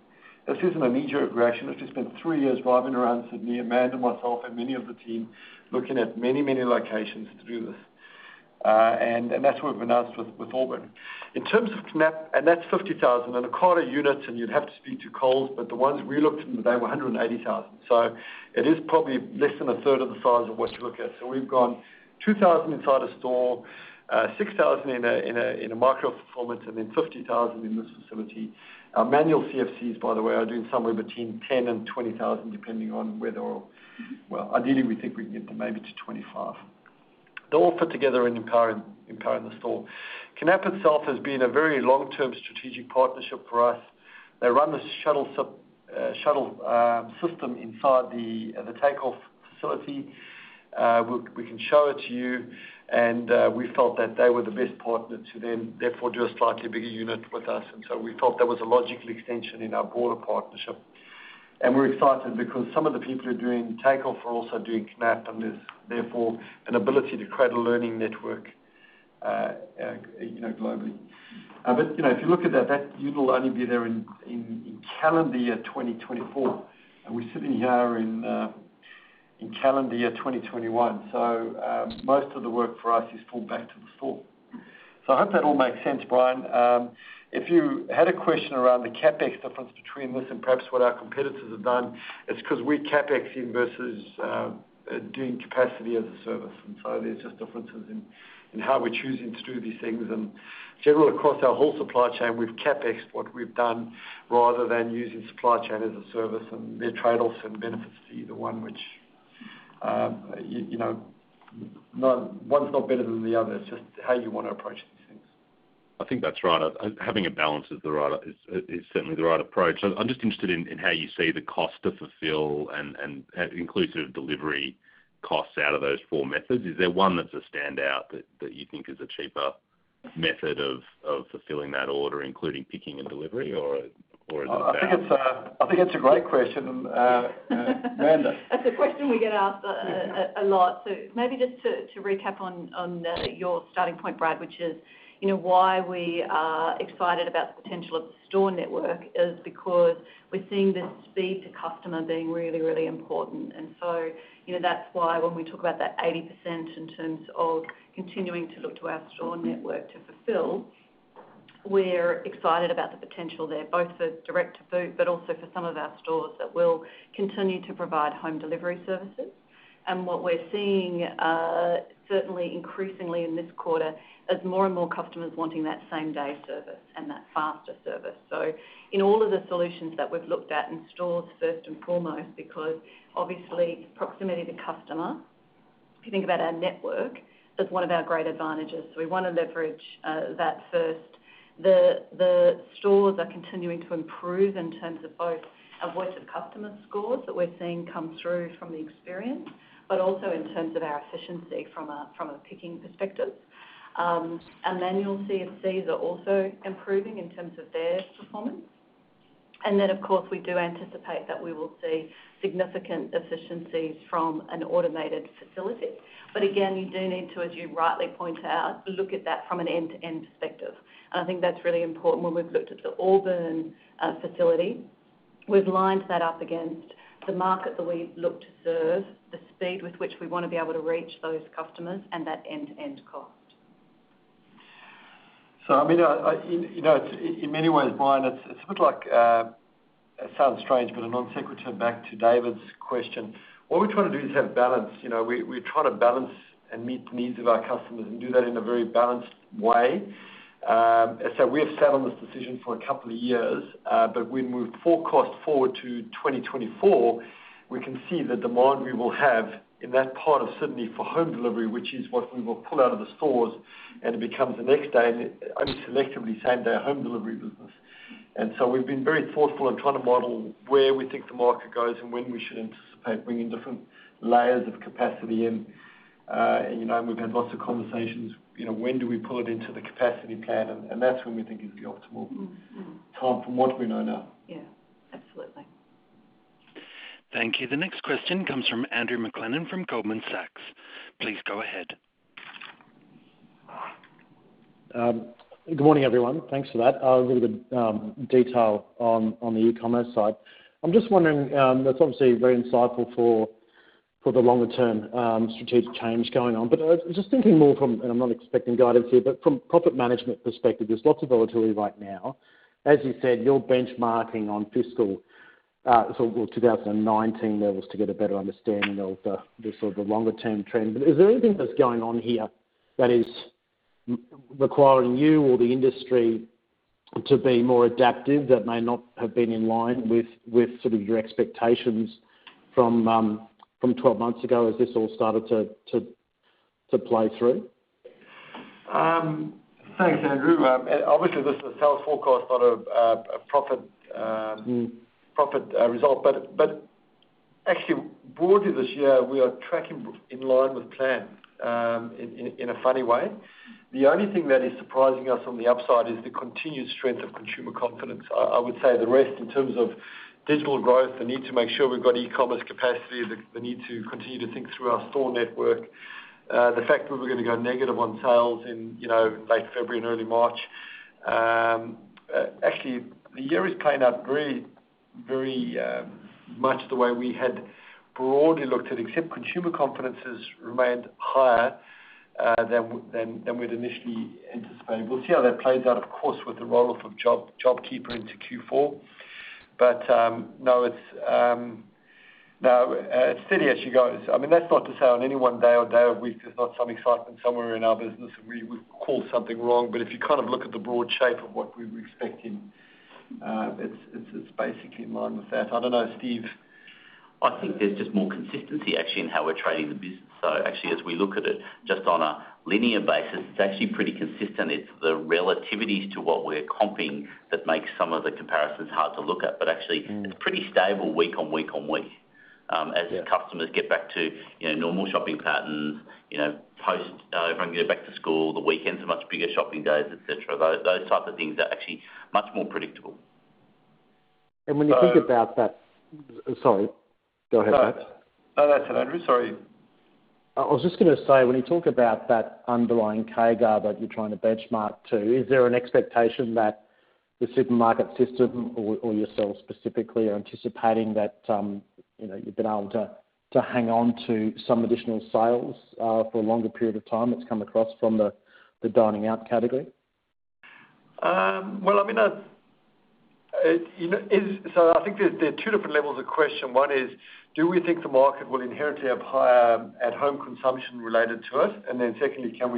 this isn't a knee-jerk reaction. We've just spent three years driving around Sydney, Amanda, myself, and many of the team, looking at many locations to do this. That's what we've announced with Auburn. In terms of KNAPP, and that's 50,000 and a quarter units, and you'd have to speak to Coles, but the ones we looked at the day were 180,000. It is probably less than a third of the size of what you look at. We've gone 2,000 inside a store, 6,000 in a micro-fulfillment, and then 50,000 in this facility. Our manual CFCs, by the way, are doing somewhere between 10,000 and 20,000, depending on whether. Well, ideally, we think we can get them maybe to 25. They're all put together and powered in the store. KNAPP itself has been a very long-term strategic partnership for us. They run the shuttle system inside the Takeoff facility. We can show it to you, and we felt that they were the best partner to then therefore do a slightly bigger unit with us. We felt that was a logical extension in our broader partnership. We're excited because some of the people who are doing Takeoff are also doing KNAPP, and there's therefore an ability to create a learning network globally. If you look at that, you'll only be there in calendar year 2024, and we're sitting here in calendar year 2021. Most of the work for us is fall back to the store. I hope that all makes sense, Bryan. If you had a question around the CapEx difference between this and perhaps what our competitors have done, it's because we're CapExing versus doing capacity as a service. There's just differences in how we're choosing to do these things. Generally, across our whole supply chain, we've CapExed what we've done rather than using supply chain as a service, and there are trade-offs and benefits to either one. One's not better than the other, it's just how you want to approach these things. I think that's right. Having a balance is certainly the right approach. I'm just interested in how you see the cost to fulfill and inclusive delivery costs out of those four methods. Is there one that's a standout that you think is a cheaper method of fulfilling that order, including picking and delivery? I think it's a great question. Amanda? That's a question we get asked a lot. Maybe just to recap on your starting point, Brad, which is why we are excited about the potential of the store network is because we're seeing the speed to customer being really, really important. That's why when we talk about that 80% in terms of continuing to look to our store network to fulfill, we're excited about the potential there, both for direct-to-boot, but also for some of our stores that will continue to provide home delivery services. What we're seeing certainly increasingly in this quarter is more and more customers wanting that same-day service and that faster service. In all of the solutions that we've looked at in stores first and foremost, because obviously proximity to customer, if you think about our network, is one of our great advantages. We want to leverage that first. The stores are continuing to improve in terms of both our voice of customer scores that we're seeing come through from the experience, but also in terms of our efficiency from a picking perspective. Our manual CFCs are also improving in terms of their performance. Of course, we do anticipate that we will see significant efficiencies from an automated facility. Again, you do need to, as you rightly point out, look at that from an end-to-end perspective. I think that's really important. When we've looked at the Auburn facility, we've lined that up against the market that we look to serve, the speed with which we want to be able to reach those customers, and that end-to-end cost. In many ways, Bryan Raymond, it's a bit like, it sounds strange, but a non-sequitur back to David Errington's question. What we're trying to do is have balance. We're trying to balance and meet the needs of our customers and do that in a very balanced way. We have sat on this decision for a couple of years, but when we forecast forward to 2024, we can see the demand we will have in that part of Sydney for home delivery, which is what we will pull out of the stores, and it becomes the next day, and only selectively same-day home delivery business. We've been very thoughtful in trying to model where we think the market goes and when we should anticipate bringing different layers of capacity in. We've had lots of conversations, when do we pull it into the capacity plan? That's when we think is the optimal time from what we know now. Yeah. Absolutely. Thank you. The next question comes from Andrew McLennan from Goldman Sachs. Please go ahead. Good morning, everyone. Thanks for that. Really good detail on the e-commerce side. I'm just wondering, that's obviously very insightful for the longer-term strategic change going on. Just thinking more from, and I'm not expecting guidance here, but from profit management perspective, there's lots of volatility right now. As you said, you're benchmarking on fiscal 2019 levels to get a better understanding of the longer-term trend. Is there anything that's going on here that is requiring you or the industry to be more adaptive that may not have been in line with sort of your expectations from 12 months ago as this all started to play through? Thanks, Andrew. Obviously, this is a sales forecast, not a profit result. Actually, broadly this year, we are tracking in line with plan in a funny way. The only thing that is surprising us on the upside is the continued strength of consumer confidence. I would say the rest in terms of digital growth, the need to make sure we've got e-commerce capacity, the need to continue to think through our store network. The fact that we're going to go negative on sales in late February and early March. Actually, the year is playing out very much the way we had broadly looked at, except consumer confidence has remained higher than we'd initially anticipated. We'll see how that plays out, of course, with the roll-off of JobKeeper into Q4. No, it's steady as she goes. That's not to say on any one day or day of week, there's not some excitement somewhere in our business and we've called something wrong. If you kind of look at the broad shape of what we were expecting, it's basically in line with that. I don't know, Steve. I think there's just more consistency actually in how we're trading the business. Actually as we look at it just on a linear basis, it's actually pretty consistent. It's the relativities to what we're comping that makes some of the comparisons hard to look at. Actually it's pretty stable week on week on week as customers get back to normal shopping patterns, post everyone going back to school, the weekends are much bigger shopping days, et cetera. Those types of things are actually much more predictable. When you think about that. Sorry, go ahead, Brad. No, that's it, Andrew. Sorry. I was just going to say, when you talk about that underlying CAGR that you're trying to benchmark to, is there an expectation that the supermarket system or yourself specifically are anticipating that you've been able to hang on to some additional sales for a longer period of time that's come across from the dining out category? I think there are two different levels of question. One is, do we think the market will inherently have higher at-home consumption related to it? Then secondly, can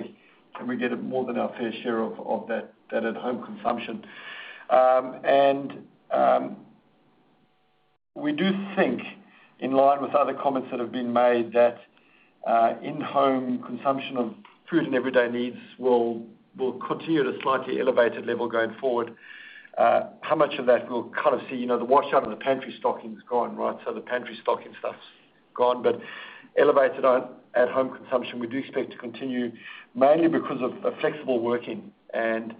we get more than our fair share of that at-home consumption? We do think, in line with other comments that have been made, that in-home consumption of food and everyday needs will continue at a slightly elevated level going forward. How much of that we'll see, the washout and the pantry stocking is gone. The pantry stocking stuff's gone, but elevated at home consumption, we do expect to continue mainly because of flexible working and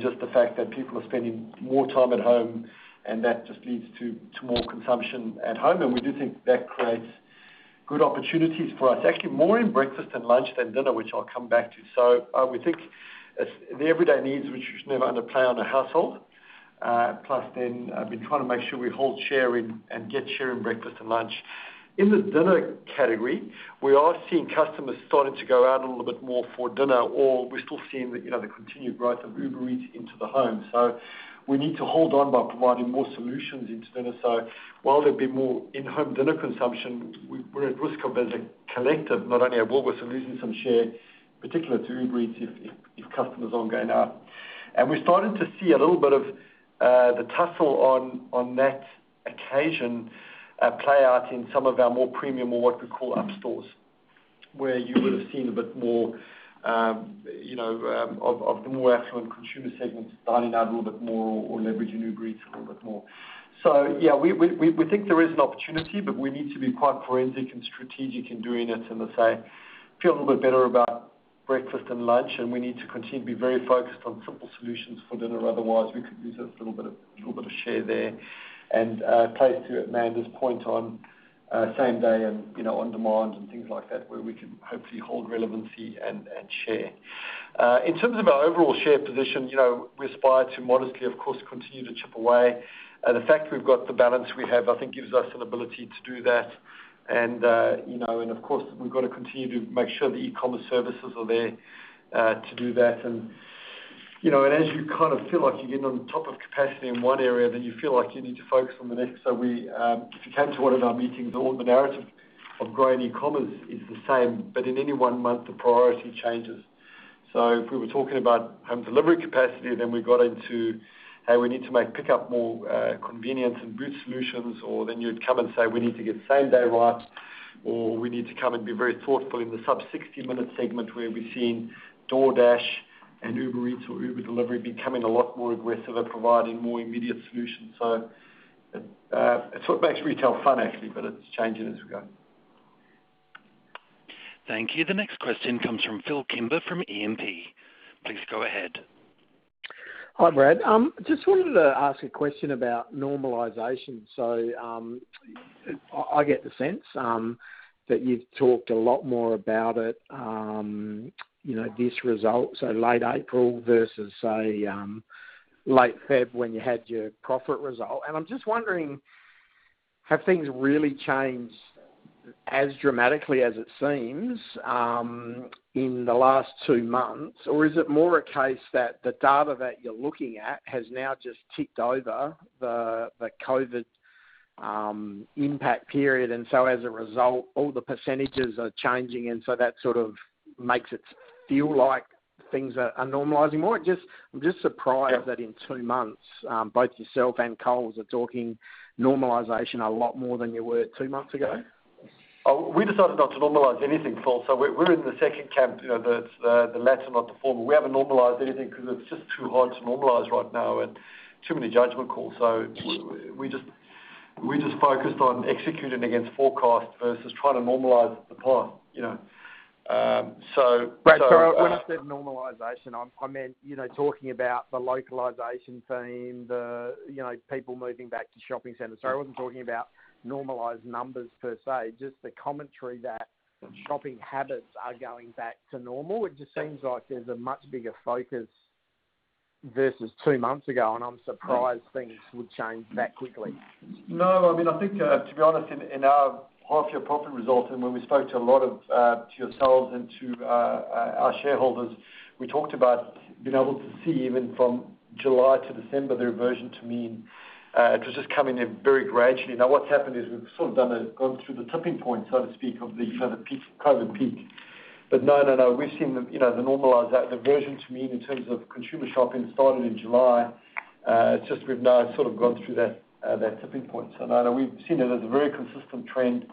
just the fact that people are spending more time at home, and that just leads to more consumption at home. We do think that creates good opportunities for us, actually more in breakfast and lunch than dinner, which I'll come back to. We think the Everyday Needs, which was never under play on a household, plus then we're trying to make sure we hold share and get share in breakfast and lunch. In the dinner category, we are seeing customers starting to go out a little bit more for dinner, or we're still seeing the continued growth of Uber Eats into the home. We need to hold on by providing more solutions into dinner. While there'll be more in-home dinner consumption, we're at risk of, as a collective, not only at Woolworths, we're losing some share, particular to Uber Eats if customers aren't going out. We're starting to see a little bit of the tussle on that occasion play out in some of our more premium or what we call up stores, where you would've seen a bit more of the more affluent consumer segments dining out a little bit more or leveraging Uber Eats a little bit more. Yeah, we think there is an opportunity, but we need to be quite forensic and strategic in doing it, and as I say, feel a little bit better about breakfast and lunch, and we need to continue to be very focused on simple solutions for dinner. Otherwise, we could lose a little bit of share there. Plays to Amanda's point on same day and on-demand and things like that where we can hopefully hold relevancy and share. In terms of our overall share position, we aspire to modestly, of course, continue to chip away. The fact we've got the balance we have, I think gives us an ability to do that. Of course, we've got to continue to make sure the e-commerce services are there to do that. As you feel like you're getting on top of capacity in one area, then you feel like you need to focus on the next. If you came to one of our meetings, all the narrative of growing e-commerce is the same, but in any one month, the priority changes. If we were talking about home delivery capacity, and then we got into how we need to make pickup more convenient and boot solutions, or then you'd come and say, "We need to get same day right," or "We need to come and be very thoughtful in the sub 60-minute segment where we're seeing DoorDash and Uber Eats becoming a lot more aggressive at providing more immediate solutions." It's what makes retail fun, actually, but it's changing as we go. Thank you. The next question comes from Phil Kimber from E&P. Please go ahead. Hi, Brad. Just wanted to ask a question about normalization. I get the sense that you've talked a lot more about it, this result, late April versus, say, late February when you had your profit result. I'm just wondering, have things really changed as dramatically as it seems in the last two months, or is it more a case that the data that you're looking at has now just ticked over the COVID impact period, as a result, all the percentages are changing, that sort of makes it feel like things are normalizing more? I'm just surprised that in two months, both yourself and Coles are talking normalization a lot more than you were two months ago. We decided not to normalize anything, Phil. We're in the second camp, the latter, not the former. We haven't normalized anything because it's just too hard to normalize right now and too many judgment calls. We just focused on executing against forecast versus trying to normalize the past. Brad, sorry, when I said normalization, I meant talking about the localization theme, the people moving back to shopping centers. I wasn't talking about normalized numbers per se, just the commentary that shopping habits are going back to normal. It just seems like there's a much bigger focus versus two months ago, and I'm surprised things would change that quickly. I think, to be honest, in our half-year profit results and when we spoke to yourselves and to our shareholders, we talked about being able to see even from July to December, the reversion to mean. It was just coming in very gradually. What's happened is we've sort of gone through the tipping point, so to speak, of the COVID peak. We've seen the reversion to mean in terms of consumer shopping starting in July. It's just we've now sort of gone through that tipping point. We've seen it as a very consistent trend.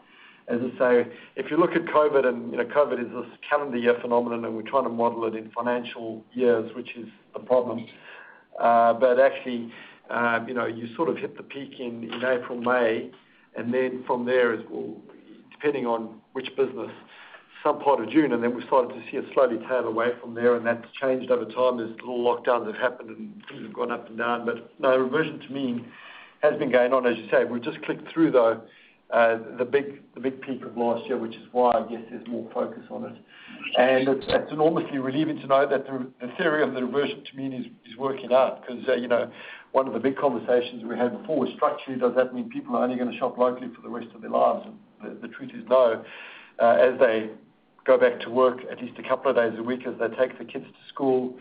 As I say, if you look at COVID, and COVID is this calendar year phenomenon, and we're trying to model it in financial years, which is the problem. Actually, you sort of hit the peak in April, May, and then from there, depending on which business, some part of June, and then we started to see it slowly tail away from there, and that's changed over time as little lockdowns have happened and things have gone up and down. No, reversion to mean has been going on, as you say. We've just clicked through, though, the big peak of last year, which is why I guess there's more focus on it. It's enormously relieving to know that the theory of the reversion to mean is working out because one of the big conversations we had before was structurally, does that mean people are only going to shop locally for the rest of their lives? The truth is no. As they go back to work at least a couple of days a week, as they take the kids to school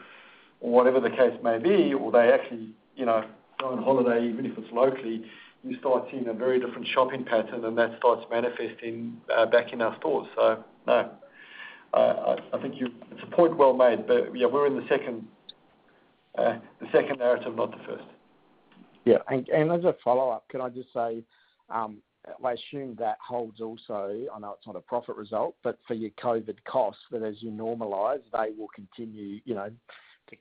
or whatever the case may be, or they actually go on holiday, even if it's locally, you start seeing a very different shopping pattern, and that starts manifesting back in our stores. No. It's a point well made, but yeah, we're in the second narrative, not the first. Yeah. As a follow-up, can I just say, I assume that holds also, I know it's not a profit result, but for your COVID costs, that as you normalize, they will continue to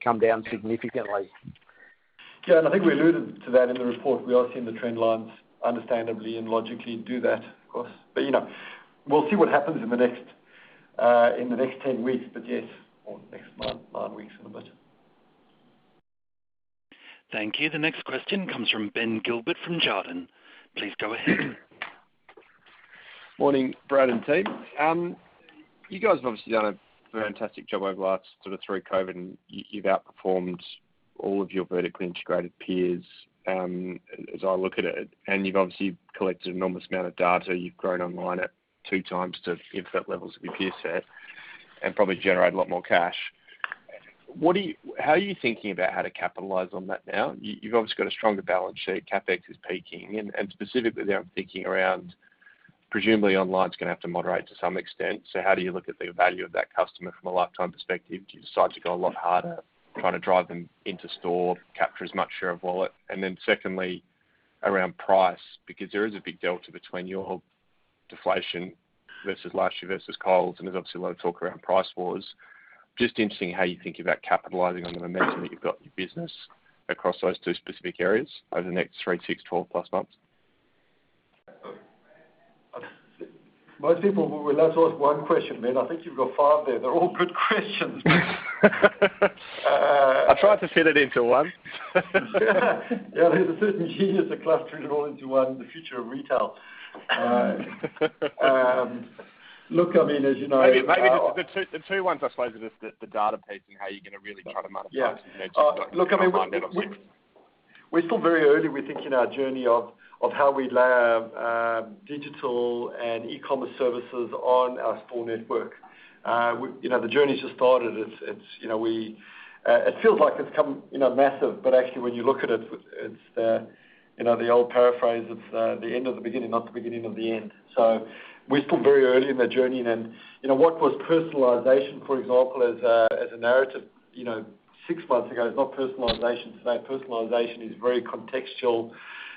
come down significantly. Yeah, I think we alluded to that in the report. We are seeing the trend lines understandably and logically do that, of course. We'll see what happens in the next 10 weeks, but yes. Next month, nine weeks, sort of budget. Thank you. The next question comes from Ben Gilbert from Jarden. Please go ahead. Morning, Brad and team. You guys have obviously done a fantastic job over the last sort of through COVID, and you've outperformed all of your vertically integrated peers, as I look at it. You've obviously collected an enormous amount of data. You've grown online at two times the inflection levels of your peer set and probably generated a lot more cash. How are you thinking about how to capitalize on that now? You've obviously got a stronger balance sheet. CapEx is peaking. Specifically there, I'm thinking around presumably online's going to have to moderate to some extent. How do you look at the value of that customer from a lifetime perspective? Do you decide to go a lot harder trying to drive them into store, capture as much share of wallet? Secondly, around price, because there is a big delta between your deflation versus last year versus Coles, and there's obviously a lot of talk around price wars. Just interesting how you think about capitalizing on the momentum that you've got in your business across those two specific areas over the next three, six, 12 plus months. Most people will be allowed to ask one question, Ben. I think you've got five there. They're all good questions. I tried to fit it into one. Yeah, there's a certain genius to clustering it all into one, the future of retail. Look, as you know. Maybe just the two ones, I suppose, are just the data piece and how you're going to really try to monetize. Yeah the momentum you've got online and WooliesX. Look, we're still very early, we think, in our journey of how we layer digital and e-commerce services on our store network. The journey's just started. It feels like it's come massive, but actually, when you look at it's the old paraphrase of the end of the beginning, not the beginning of the end. We're still very early in that journey. What was personalization, for example, as a narrative six months ago, it's not personalization today. Personalization is very contextual.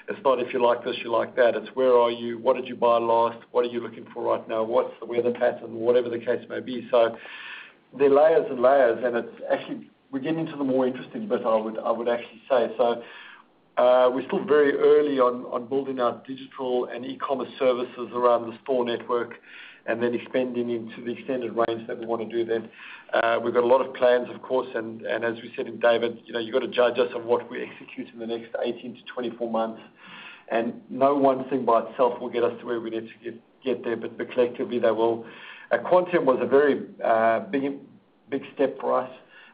It's not if you like this, you like that. It's where are you? What did you buy last? What are you looking for right now? What's the weather pattern? Whatever the case may be. There are layers and layers, and it's actually, we're getting to the more interesting bit, I would actually say. We're still very early on building our digital and e-commerce services around the store network and then expanding into the extended range that we want to do then. We've got a lot of plans, of course, and as we said, and David, you've got to judge us on what we execute in the next 18 to 24 months. No one thing by itself will get us to where we need to get there, but collectively they will. Quantium was a very big step for us.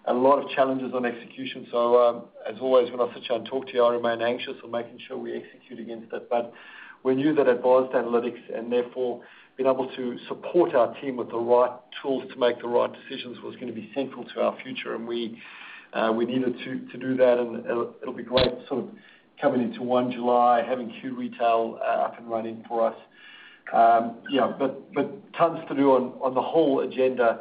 A lot of challenges on execution. As always, when I sit here and talk to you, I remain anxious on making sure we execute against it. We knew that advanced analytics, and therefore being able to support our team with the right tools to make the right decisions was going to be central to our future, and we needed to do that. It'll be great sort of coming into 1 July, having Q-Retail up and running for us. Tons to do on the whole agenda.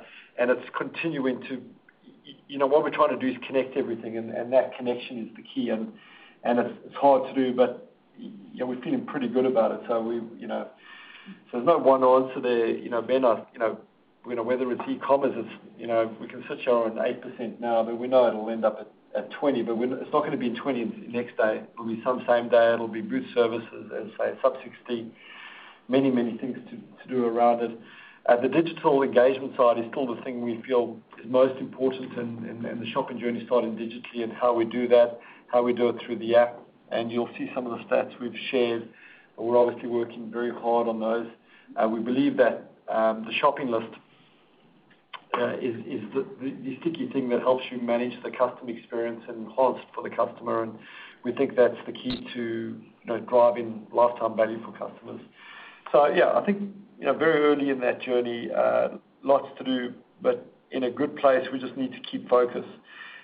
What we're trying to do is connect everything, and that connection is the key. It's hard to do, but we're feeling pretty good about it. There's no one answer there. Ben, whether it's e-commerce, we can sit here on 8% now, but we know it'll end up at 20. It's not going to be 20 next day. It'll be some same day. It'll be B2B services and say sub 60. Many things to do around it. The digital engagement side is still the thing we feel is most important, and the shopping journey starting digitally and how we do that, how we do it through the app. You'll see some of the stats we've shared. We're obviously working very hard on those. We believe that the shopping list is the sticky thing that helps you manage the customer experience and hubs for the customer, and we think that's the key to driving lifetime value for customers. Yeah, I think very early in that journey. Lots to do, but in a good place. We just need to keep focused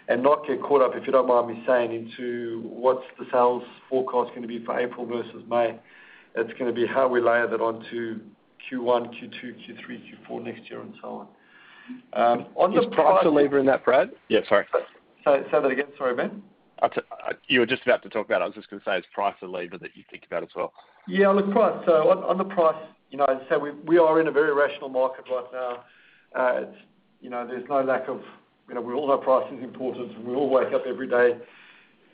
and not get caught up, if you don't mind me saying, into what's the sales forecast going to be for April versus May. It's going to be how we layer that onto Q1, Q2, Q3, Q4 next year, and so on. Is price a lever in that, Brad? Yeah, sorry. Say that again. Sorry, Ben. You were just about to talk about it. I was just going to say, is price a lever that you think about as well? Yeah, look, price. On the price, as I say, we are in a very rational market right now. We all know price is important. We all wake up every day.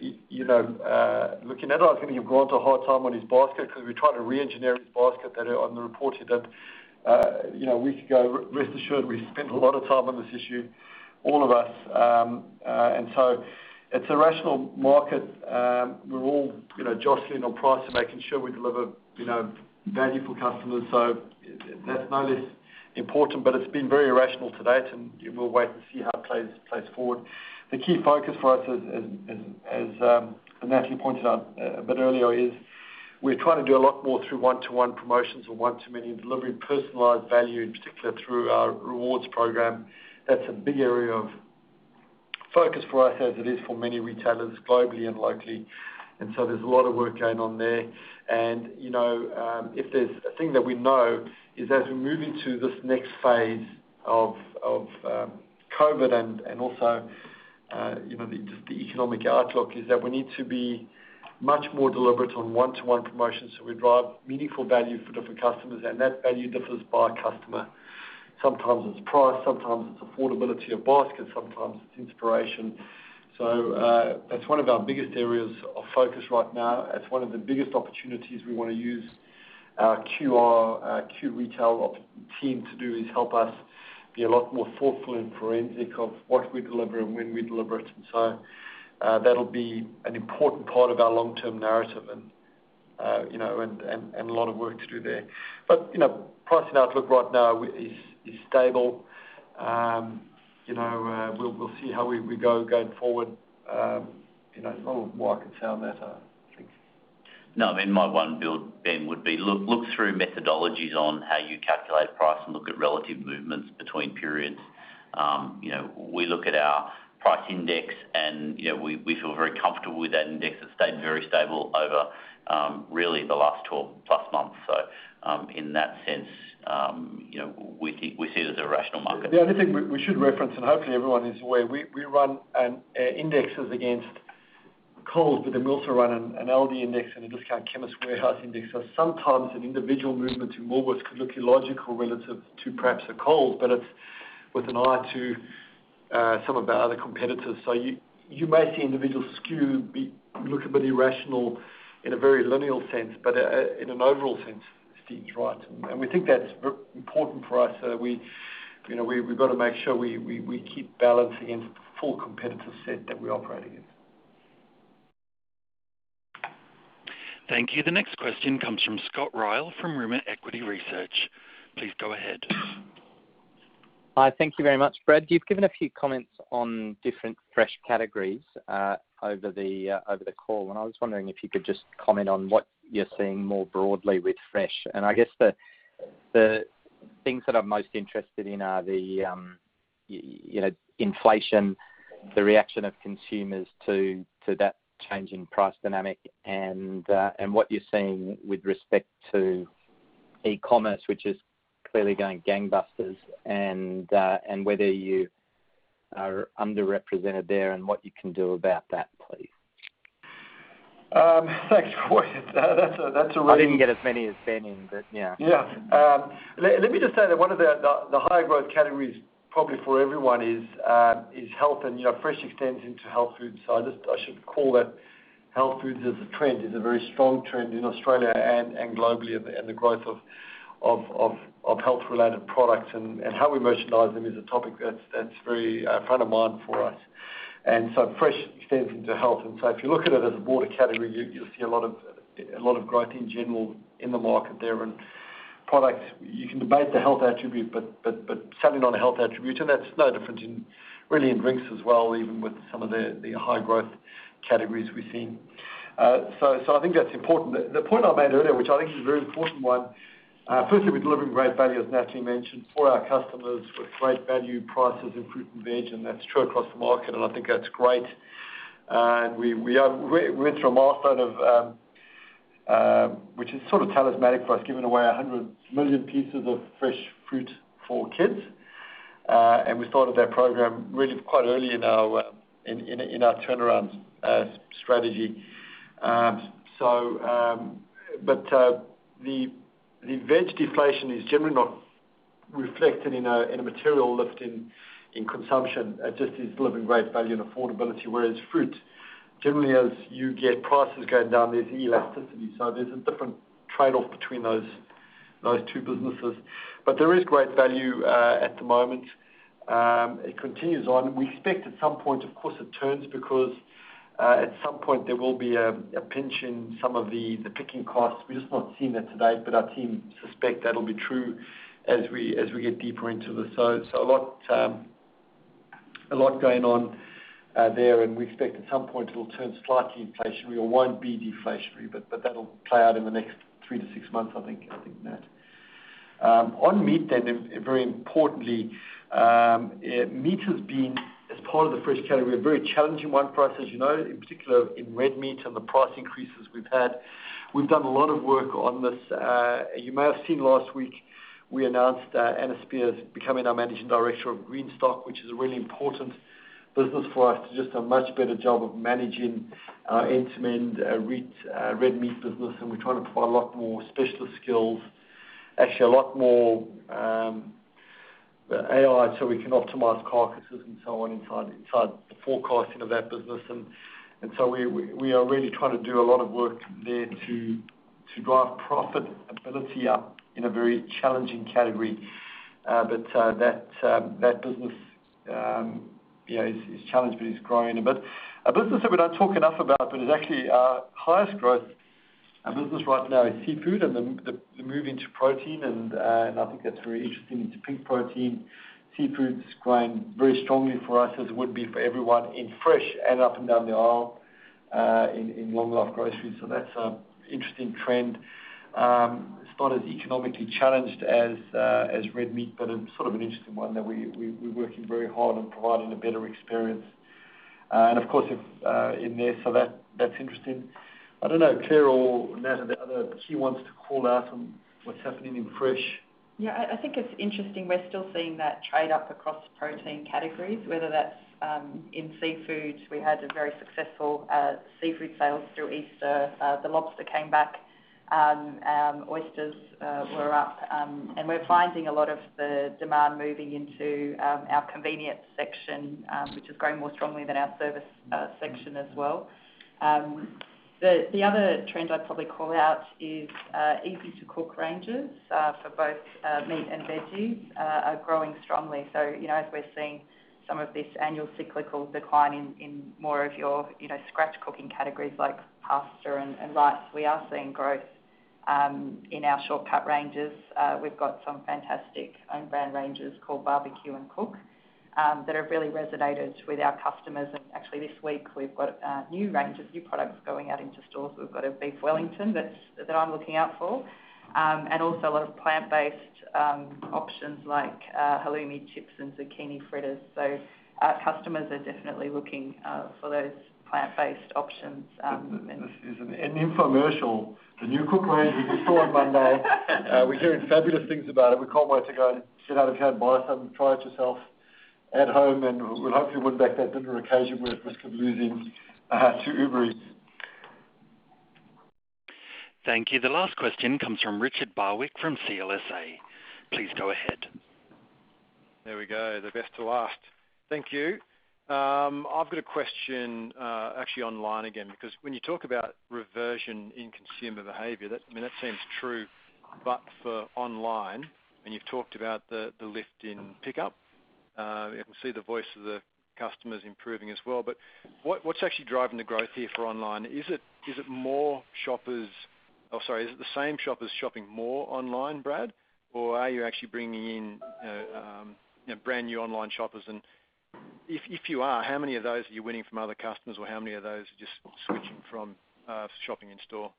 David Errington is going to have gone through a hard time on his basket because we're trying to re-engineer his basket better on the report he did a week ago. Rest assured, we spent a lot of time on this issue, all of us. It's a rational market. We're all jostling on price and making sure we deliver value for customers. That's no less important, but it's been very irrational to date, and we'll wait and see how it plays forward. The key focus for us, as Natalie pointed out a bit earlier, is we're trying to do a lot more through one-to-one promotions or one-to-many and delivering personalized value, in particular through our rewards program. That's a big area of focus for us, as it is for many retailers globally and locally. There's a lot of work going on there. If there's a thing that we know is as we move into this next phase of COVID, and also just the economic outlook, is that we need to be much more deliberate on one-to-one promotions, so we drive meaningful value for different customers, and that value differs by customer. Sometimes it's price, sometimes it's affordability of basket, sometimes it's inspiration. That's one of our biggest areas of focus right now. It's one of the biggest opportunities we want to use our Q-Retail team to do is help us be a lot more thoughtful and forensic of what we deliver and when we deliver it. That'll be an important part of our long-term narrative and a lot of work to do there. Pricing outlook right now is stable. We'll see how we go going forward. I don't know why I could sound that, I think. My one build, Ben, would be look through methodologies on how you calculate price and look at relative movements between periods. We look at our price index, and we feel very comfortable with that index. It's stayed very stable over really the last 12 plus months. In that sense we see it as a rational market. The only thing we should reference, and hopefully everyone is aware, we run indexes against Coles, but then we also run an Aldi index and a Discount Chemist Warehouse index. Sometimes an individual movement in Woolworths could look illogical relative to perhaps a Coles, but it's with an eye to some of our other competitors. You may see individual skew look a bit irrational in a very lineal sense, but in an overall sense, it seems right. We think that's important for us. We've got to make sure we keep balance against the full competitive set that we operate in. Thank you. The next question comes from Scott Ryall, from Rimor Equity Research. Please go ahead. Hi. Thank you very much. Brad, you've given a few comments on different fresh categories over the call, and I was wondering if you could just comment on what you're seeing more broadly with fresh? I guess the things that I'm most interested in are the inflation, the reaction of consumers to that change in price dynamic and what you're seeing with respect to e-commerce, which is clearly going gangbusters, and whether you are underrepresented there and what you can do about that, please? Thanks for-- That's a really- I didn't get as many as Ben in, but yeah. Let me just say that one of the higher growth categories, probably for everyone, is health, and fresh extends into health food. I should call that health foods as a trend, is a very strong trend in Australia and globally and the growth of health-related products. How we merchandise them is a topic that's very front of mind for us. Fresh extends into health. If you look at it as a broader category, you'll see a lot of growth in general in the market there and products. You can debate the health attribute, but certainly not a health attribute, and that's no different really in drinks as well, even with some of the high growth categories we're seeing. I think that's important. The point I made earlier, which I think is a very important one, firstly, we're delivering great value, as Natalie mentioned, for our customers with great value prices in fruit and veg, and that's true across the market, and I think that's great. We went through a milestone, which is sort of talismanic for us, giving away 100 million pieces of fresh fruit for kids. We started that program really quite early in our turnaround strategy. The veg deflation is generally not reflected in a material lift in consumption. It just is delivering great value and affordability, whereas fruit, generally as you get prices going down, there's elasticity. There's a different trade-off between those two businesses. There is great value at the moment. It continues on. We expect at some point, of course, it turns because at some point there will be a pinch in some of the picking costs. We've just not seen that to date, but our team suspects that'll be true as we get deeper into this. A lot going on there, and we expect at some point it'll turn slightly inflationary or won't be deflationary, but that'll play out in the next three to six months, I think, Nat. On meat, very importantly, meat has been, as part of the fresh category, a very challenging one for us, as you know, in particular in red meat and the price increases we've had. We've done a lot of work on this. You may have seen last week we announced Anna Speer becoming our managing director of Greenstock, which is a really important business for us to just do a much better job of managing our end-to-end red meat business. We're trying to provide a lot more specialist skills. Actually, the AI, so we can optimize carcasses and so on inside the forecasting of that business. We are really trying to do a lot of work there to drive profitability up in a very challenging category. That business is challenged, but it's growing. A business that we don't talk enough about, but is actually our highest growth business right now is seafood and the move into protein. I think that's very interesting, into peak protein. Seafood's growing very strongly for us, as it would be for everyone, in fresh and up and down the aisle in long life groceries. That's an interesting trend. It's not as economically challenged as red meat, but it's sort of an interesting one that we're working very hard on providing a better experience. Of course, in there, that's interesting. I don't know, Claire or Nat, are there other key ones to call out on what's happening in fresh? Yeah, I think it's interesting. We're still seeing that trade up across protein categories, whether that's in seafood. We had very successful seafood sales through Easter. The lobster came back. Oysters were up. We're finding a lot of the demand moving into our convenience section, which is growing more strongly than our service section as well. The other trend I'd probably call out is easy-to-cook ranges for both meat and veggies are growing strongly. As we're seeing some of this annual cyclical decline in more of your scratch cooking categories like pasta and rice, we are seeing growth in our shortcut ranges. We've got some fantastic own brand ranges called Barbecue and Cook that have really resonated with our customers. Actually this week, we've got new ranges, new products going out into stores. We've got a Beef Wellington that I'm looking out for. Also a lot of plant-based options like halloumi chips and zucchini fritters. Our customers are definitely looking for those plant-based options. This is an infomercial. The new Cook range will be store on Monday. We're hearing fabulous things about it. We can't wait to go and get out of town, buy some, try it yourself at home, and we'll hopefully win back that dinner occasion we're at risk of losing to Uber Eats. Thank you. The last question comes from Richard Barwick from CLSA. Please go ahead. There we go. The best to last. Thank you. I've got a question actually online again, because when you talk about reversion in consumer behavior, that seems true, but for online, and you've talked about the lift in pickup, and we see the voice of the customers improving as well. What's actually driving the growth here for online? Is it the same shoppers shopping more online, Brad? Are you actually bringing in brand new online shoppers? If you are, how many of those are you winning from other customers, or how many of those are just switching from shopping in store?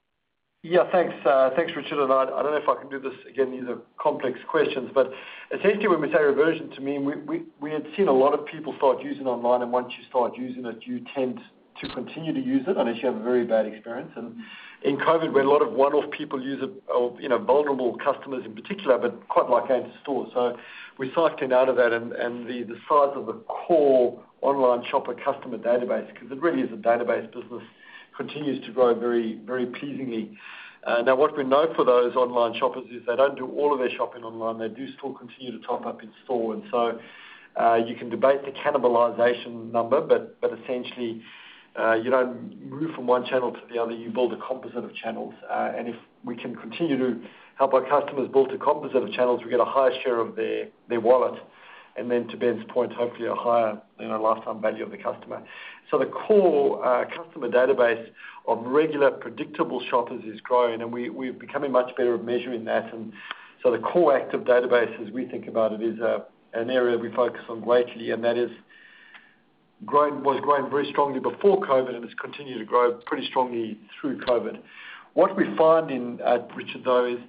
Yeah, thanks. Thanks, Richard. I don't know if I can do this again, these are complex questions. Essentially when we say reversion, to me, we had seen a lot of people start using online and once you start using it, you tend to continue to use it unless you have a very bad experience. In COVID, where a lot of one-off people use it or vulnerable customers in particular, but quite like going to store. We cycled out of that and the size of the core online shopper customer database, because it really is a database business, continues to grow very pleasingly. Now, what we know for those online shoppers is they don't do all of their shopping online. They do still continue to top up in store. You can debate the cannibalization number, but essentially, you don't move from one channel to the other. You build a composite of channels. If we can continue to help our customers build a composite of channels, we get a higher share of their wallet. Then to Ben's point, hopefully a higher lifetime value of the customer. The core customer database of regular predictable shoppers is growing, and we're becoming much better at measuring that. The core active database, as we think about it, is an area we focus on greatly, and that was growing very strongly before COVID and has continued to grow pretty strongly through COVID. What we find in, Richard, though, is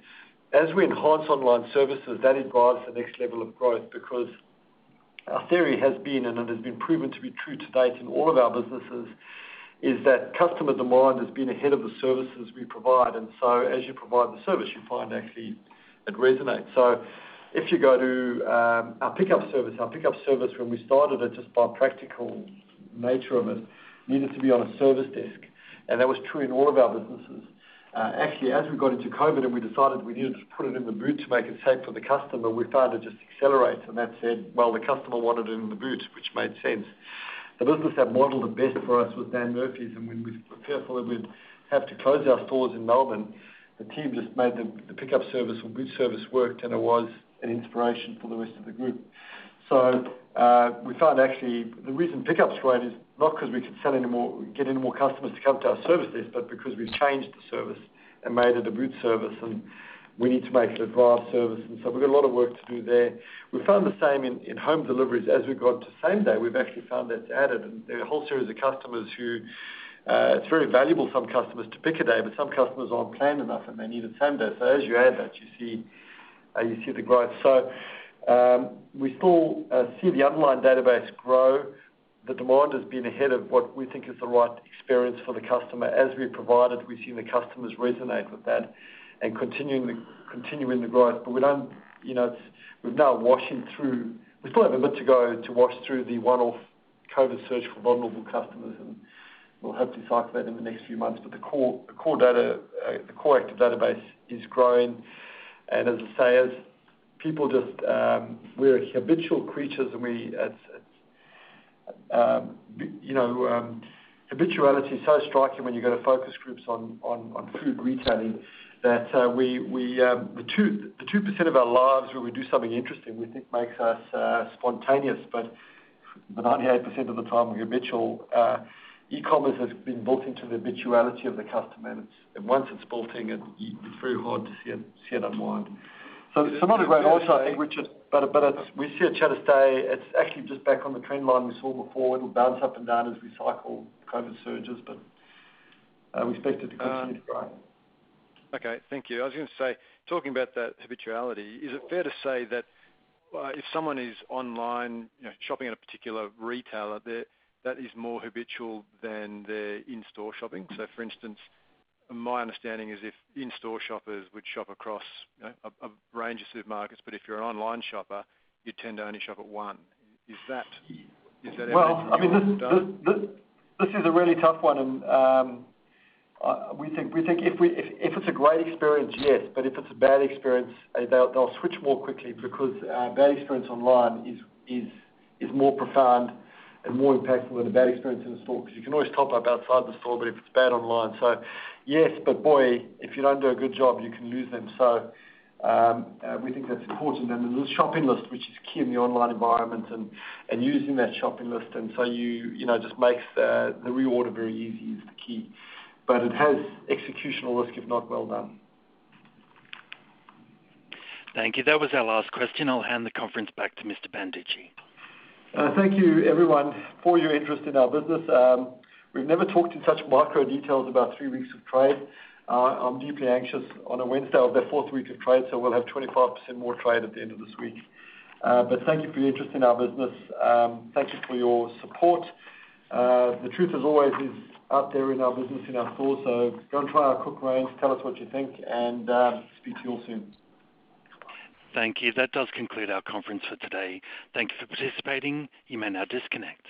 as we enhance online services, that drives the next level of growth because our theory has been, it has been proven to be true to date in all of our businesses, is that customer demand has been ahead of the services we provide. As you provide the service, you find actually it resonates. If you go to our pickup service, our pickup service when we started it just by practical nature of it, needed to be on a service desk, and that was true in all of our businesses. Actually, as we got into COVID and we decided we needed to put it in the boot to make it safe for the customer, we found it just accelerates. That said, well, the customer wanted it in the boot, which made sense. The business that modeled it best for us was Dan Murphy's, and when we were fearful that we'd have to close our stores in Melbourne, the team just made the pickup service or boot service work, and it was an inspiration for the rest of the group. We found actually the reason pickup's grown is not because we could get any more customers to come to our service desk, but because we've changed the service and made it a boot service and we need to make it a drive service. We've got a lot of work to do there. We found the same in home deliveries. As we got to same day, we've actually found that's added and there are a whole series of customers who it's very valuable some customers to pick a day, but some customers aren't planned enough and they need it same day. As you add that, you see the growth. We still see the online database grow. The demand has been ahead of what we think is the right experience for the customer. As we've provided, we've seen the customers resonate with that and continuing the growth. We've now washing through, we've still have a bit to go to wash through the one-off COVID surge for vulnerable customers, and we'll hopefully cycle that in the next few months. The core active database is growing. As I say, we're habitual creatures and habituality is so striking when you go to focus groups on food retailing, that the 2% of our lives where we do something interesting, we think makes us spontaneous, but the 98% of the time, we're habitual. E-commerce has been built into the habituality of the customer, and once it's built in, it's very hard to see it unwind. Not a great answer, I think, Richard, but we see it at Anzac Day. It's actually just back on the trend line we saw before. It'll bounce up and down as we cycle COVID surges, but we expect it to continue to grow. Okay. Thank you. I was going to say, talking about that habituality, is it fair to say that if someone is online, shopping at a particular retailer, that is more habitual than their in-store shopping? For instance, my understanding is if in-store shoppers would shop across a range of supermarkets, but if you're an online shopper, you tend to only shop at one. Is that accurate? This is a really tough one, and we think if it's a great experience, yes. If it's a bad experience, they'll switch more quickly because a bad experience online is more profound and more impactful than a bad experience in a store, because you can always top up outside the store. If it's bad online, yes, but boy, if you don't do a good job, you can lose them. We think that's important. The shopping list, which is key in the online environment, and using that shopping list, just makes the reorder very easy is the key. It has executional risk if not well done. Thank you. That was our last question. I will hand the conference back to Mr. Banducci. Thank you, everyone, for your interest in our business. We've never talked in such macro details about three weeks of trade. I'm deeply anxious. On a Wednesday, I'll have the fourth week of trade, so we'll have 25% more trade at the end of this week. Thank you for your interest in our business. Thank you for your support. The truth as always is out there in our business, in our stores, so go and try our Cook range, tell us what you think, and speak to you all soon. Thank you. That does conclude our conference for today. Thank you for participating. You may now disconnect.